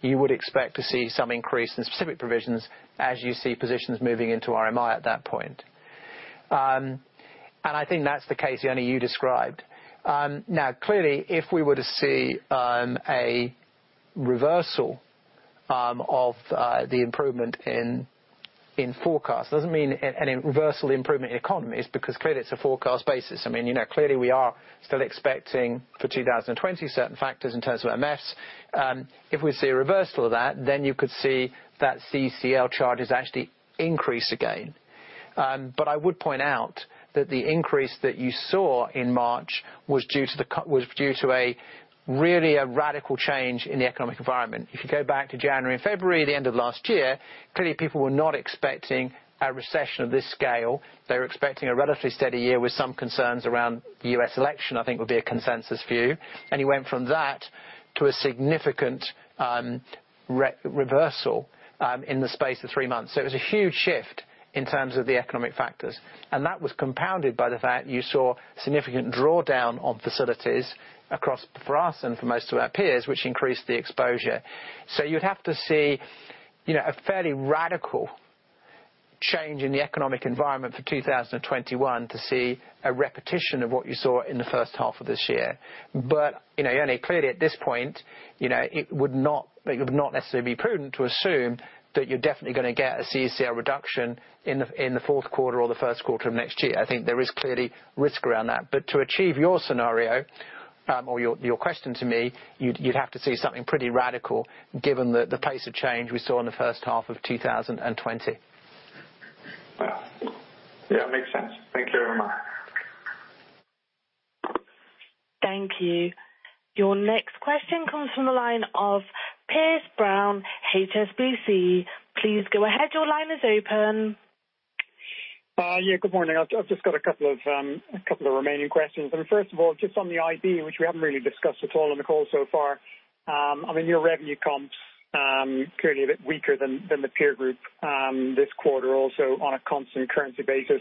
you would expect to see some increase in specific provisions as you see positions moving into RMI at that point. I think that's the case, Jernej, you described. Clearly, if we were to see a reversal of the improvement in forecast, does not mean any reversal improvement in economy, is because clearly it's a forecast basis. We are still expecting for 2020 certain factors in terms of [MF]. If we see a reversal of that, you could see that CECL charges actually increase again. I would point out that the increase that you saw in March was due to a really radical change in the economic environment. If you go back to January and February, the end of last year, clearly people were not expecting a recession of this scale. They were expecting a relatively steady year with some concerns around the U.S. election, I think would be a consensus view. You went from that to a significant reversal in the space of three months. It was a huge shift in terms of the economic factors. That was compounded by the fact you saw significant drawdown of facilities across for us and for most of our peers, which increased the exposure. You'd have to see a fairly radical change in the economic environment for 2021 to see a repetition of what you saw in the first half of this year. Jernej, clearly at this point it would not necessarily be prudent to assume that you're definitely going to get a CECL reduction in the fourth quarter or the first quarter of next year. I think there is clearly risk around that. To achieve your scenario, or your question to me, you'd have to see something pretty radical given the pace of change we saw in the first half of 2020. Wow. Yeah, makes sense. Thank you very much. Thank you. Your next question comes from the line of Piers Brown, HSBC. Please go ahead. Your line is open. Yeah, good morning. I've just got a couple of remaining questions. First of all, just on the IB, which we haven't really discussed at all on the call so far. Your revenue comps currently a bit weaker than the peer group this quarter, also on a constant currency basis.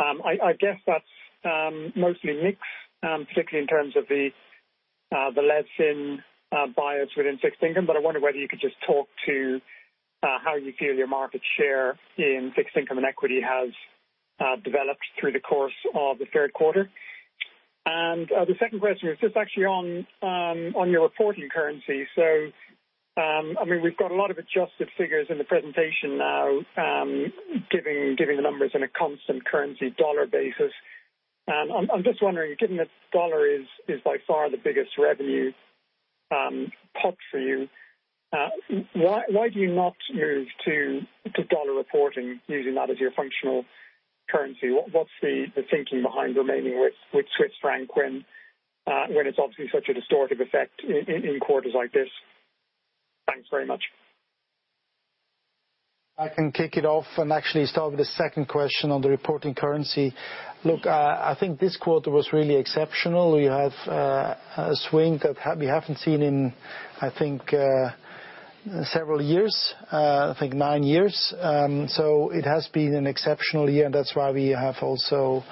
I guess that's mostly mix, particularly in terms of the less in bias within fixed income. I wonder whether you could just talk to how you feel your market share in fixed income and equity has developed through the course of the third quarter. The second question is just actually on your reporting currency. We've got a lot of adjusted figures in the presentation now, giving the numbers in a constant currency dollar basis. I'm just wondering, given that U.S. dollar is by far the biggest revenue pot for you, why do you not move to U.S. dollar reporting using that as your functional currency? What's the thinking behind remaining with Swiss franc when it's obviously such a distortive effect in quarters like this? Thanks very much. I can kick it off and actually start with the second question on the reporting currency. I think this quarter was really exceptional. We have a swing that we haven't seen in, I think several years. I think nine years. It has been an exceptional year, and that's why we have also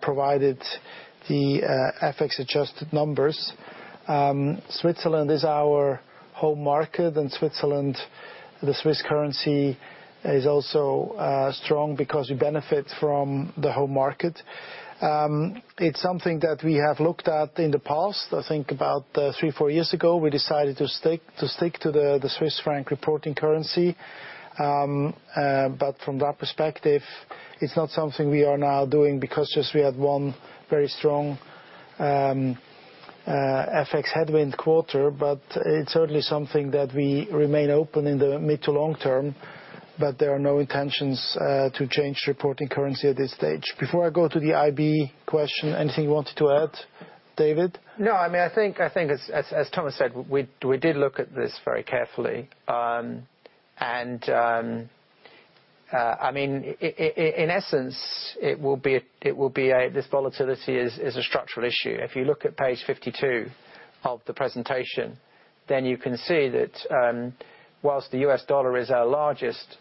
provided the FX adjusted numbers. Switzerland is our home market, and Switzerland, the CHF currency is also strong because we benefit from the home market. It's something that we have looked at in the past. I think about three, four years ago, we decided to stick to the CHF reporting currency. From that perspective, it's not something we are now doing because just we had one very strong FX headwind quarter. It's certainly something that we remain open in the mid to long term, but there are no intentions to change reporting currency at this stage. Before I go to the IB question, anything you wanted to add, David? No. I think as Thomas said, we did look at this very carefully. In essence, this volatility is a structural issue. If you look at page 52 of the presentation, you can see that whilst the U.S. dollar is our largest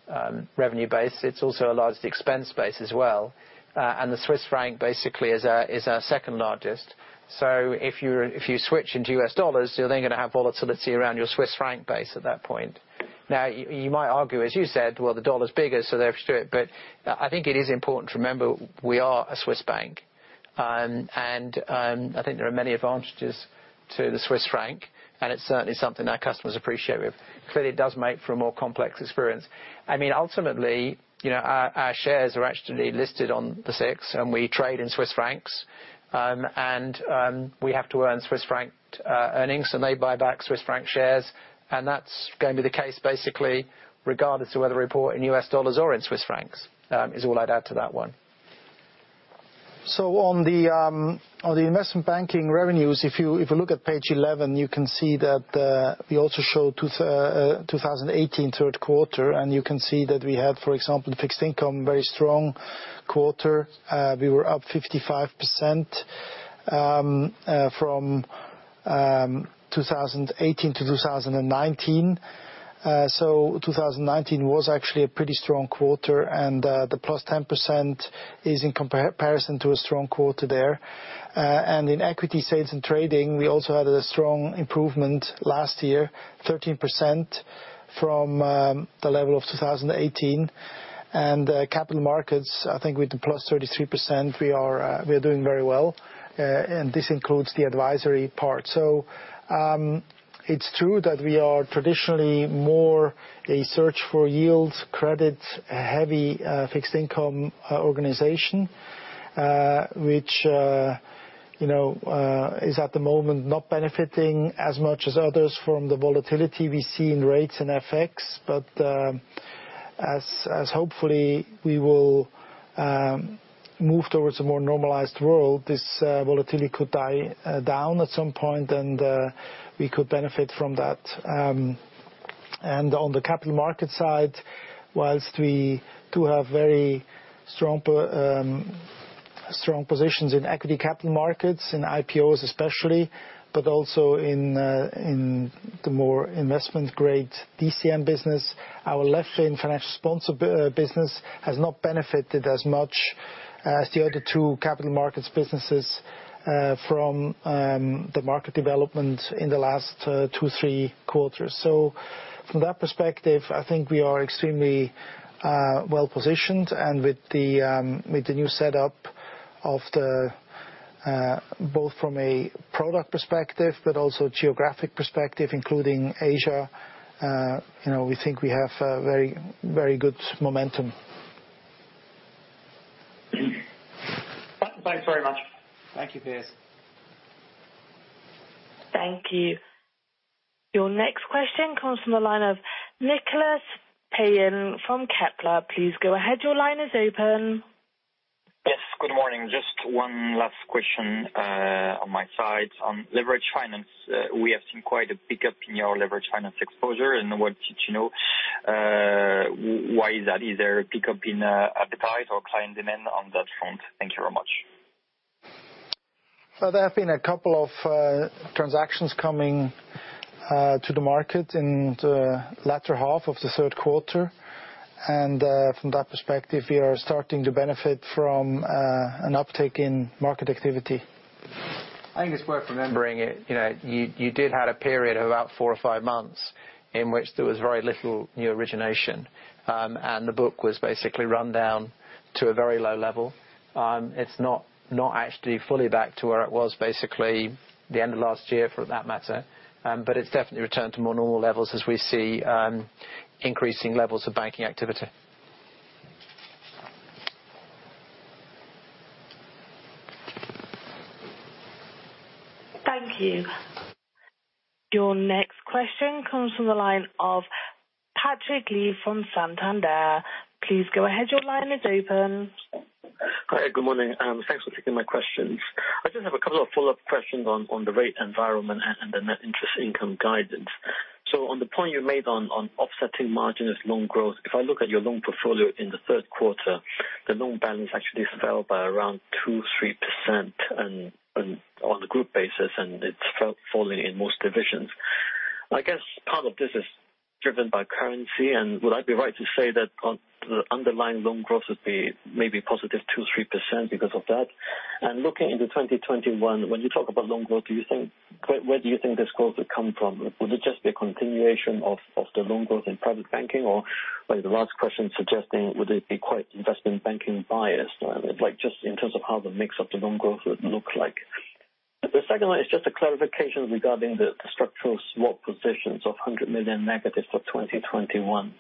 revenue base, it's also our largest expense base as well. The Swiss franc basically is our second largest. If you switch into U.S. dollars, you're then going to have volatility around your Swiss franc base at that point. You might argue, as you said, well, the dollar's bigger, therefore do it. I think it is important to remember we are a Swiss bank. I think there are many advantages to the Swiss franc, and it's certainly something our customers appreciate. Clearly it does make for a more complex experience. Ultimately, our shares are actually listed on the SIX, and we trade in Swiss francs. We have to earn Swiss franc earnings, so may buy back Swiss franc shares. That's going to be the case basically regardless of whether we report in U.S. dollars or in Swiss francs. Is all I'd add to that one. On the investment banking revenues, if you look at page 11, you can see that we also show 2018 third quarter. You can see that we had, for example, the fixed income, very strong quarter. We were up 55%. From 2018 to 2019. 2019 was actually a pretty strong quarter, and the +10% is in comparison to a strong quarter there. In equity sales and trading, we also had a strong improvement last year, 13% from the level of 2018. Capital markets, I think with the +33%, we are doing very well. This includes the advisory part. It's true that we are traditionally more a search for yield, credit-heavy, fixed income organization, which is at the moment not benefiting as much as others from the volatility we see in rates and FX. As hopefully we will move towards a more normalized world, this volatility could die down at some point, and we could benefit from that. On the capital market side, whilst we do have very strong positions in equity capital markets, in IPOs especially, but also in the more investment grade DCM business. Our left lane financial sponsor business has not benefited as much as the other two capital markets businesses from the market development in the last two, three quarters. From that perspective, I think we are extremely well-positioned. With the new setup, both from a product perspective but also geographic perspective, including Asia, we think we have very good momentum. Thanks very much. Thank you, Piers. Thank you. Your next question comes from the line of Nicolas Payen from Kepler. Please go ahead. Your line is open. Yes, good morning. Just one last question on my side on leverage finance. We have seen quite a pickup in your leverage finance exposure and wanted to know why is that? Is there a pickup in appetite or client demand on that front? Thank you very much. Well, there have been a couple of transactions coming to the market in the latter half of the third quarter. From that perspective, we are starting to benefit from an uptick in market activity. I think it's worth remembering, you did have a period of about four or five months in which there was very little new origination, and the book was basically run down to a very low level. It's not actually fully back to where it was basically the end of last year, for that matter. It's definitely returned to more normal levels as we see increasing levels of banking activity. Thank you. Your next question comes from the line of Patrick Lee from Santander. Please go ahead. Your line is open. Hi, good morning. Thanks for taking my questions. I just have a couple of follow-up questions on the rate environment and the net interest income guidance. On the point you made on offsetting margin as loan growth, if I look at your loan portfolio in the third quarter, the loan balance actually fell by around 2%-3% on the Group basis, and it's falling in most divisions. I guess part of this is driven by currency. Would I be right to say that the underlying loan growth would be maybe positive 2%-3% because of that? Looking into 2021, when you talk about loan growth, where do you think this growth will come from? Would it just be a continuation of the loan growth in private banking? Like the last question suggesting, would it be quite investment banking biased? Just in terms of how the mix of the loan growth would look like. The second one is just a clarification regarding the structural swap positions of 100 million negative for 2021.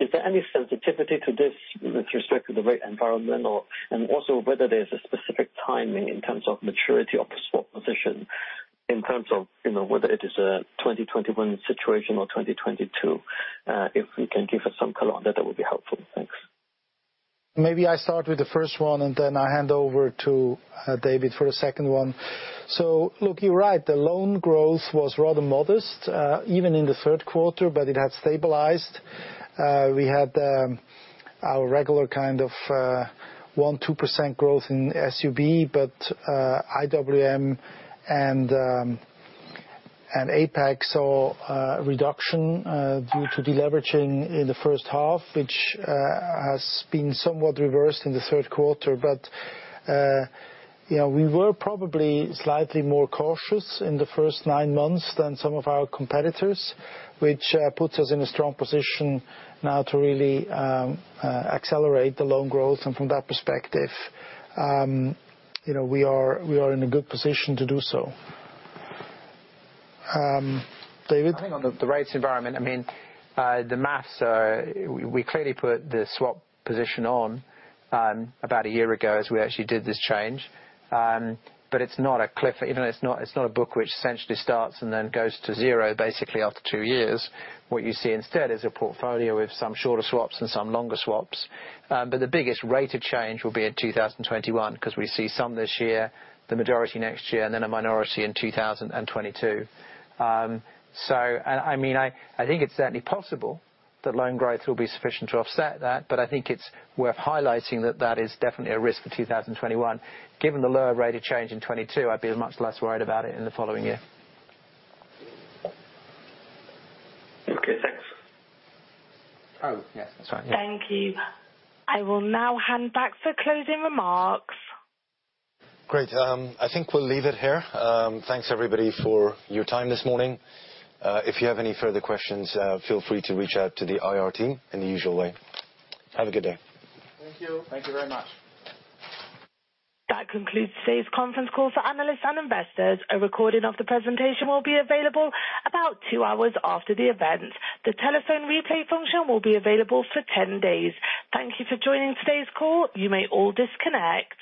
Is there any sensitivity to this with respect to the rate environment or, and also whether there's a specific timing in terms of maturity of the swap position in terms of whether it is a 2021 situation or 2022? If you can give us some color on that would be helpful. Thanks. Maybe I start with the first one, and then I hand over to David for the second one. Look, you're right, the loan growth was rather modest even in the third quarter, but it has stabilized. We had our regular kind of 1%-2% growth in SUB, but IWM and APAC saw a reduction due to deleveraging in the first half, which has been somewhat reversed in the third quarter. We were probably slightly more cautious in the first nine months than some of our competitors, which puts us in a strong position now to really accelerate the loan growth. From that perspective, we are in a good position to do so. David? I think on the rates environment, the math are, we clearly put the swap position on about a year ago as we actually did this change. It's not a cliff. It's not a book which essentially starts and then goes to zero basically after two years. What you see instead is a portfolio with some shorter swaps and some longer swaps. The biggest rate of change will be in 2021, because we see some this year, the majority next year, and then a minority in 2022. I think it's certainly possible that loan growth will be sufficient to offset that, but I think it's worth highlighting that that is definitely a risk for 2021. Given the lower rate of change in 2022, I'd be much less worried about it in the following year. Okay, thanks. Oh, yes. That's right, yeah. Thank you. I will now hand back for closing remarks. Great. I think we'll leave it here. Thanks everybody for your time this morning. If you have any further questions, feel free to reach out to the IR team in the usual way. Have a good day. Thank you. Thank you very much. That concludes today's conference call for analysts and investors. A recording of the presentation will be available about two hours after the event. The telephone replay function will be available for 10 days. Thank you for joining today's call. You may all disconnect.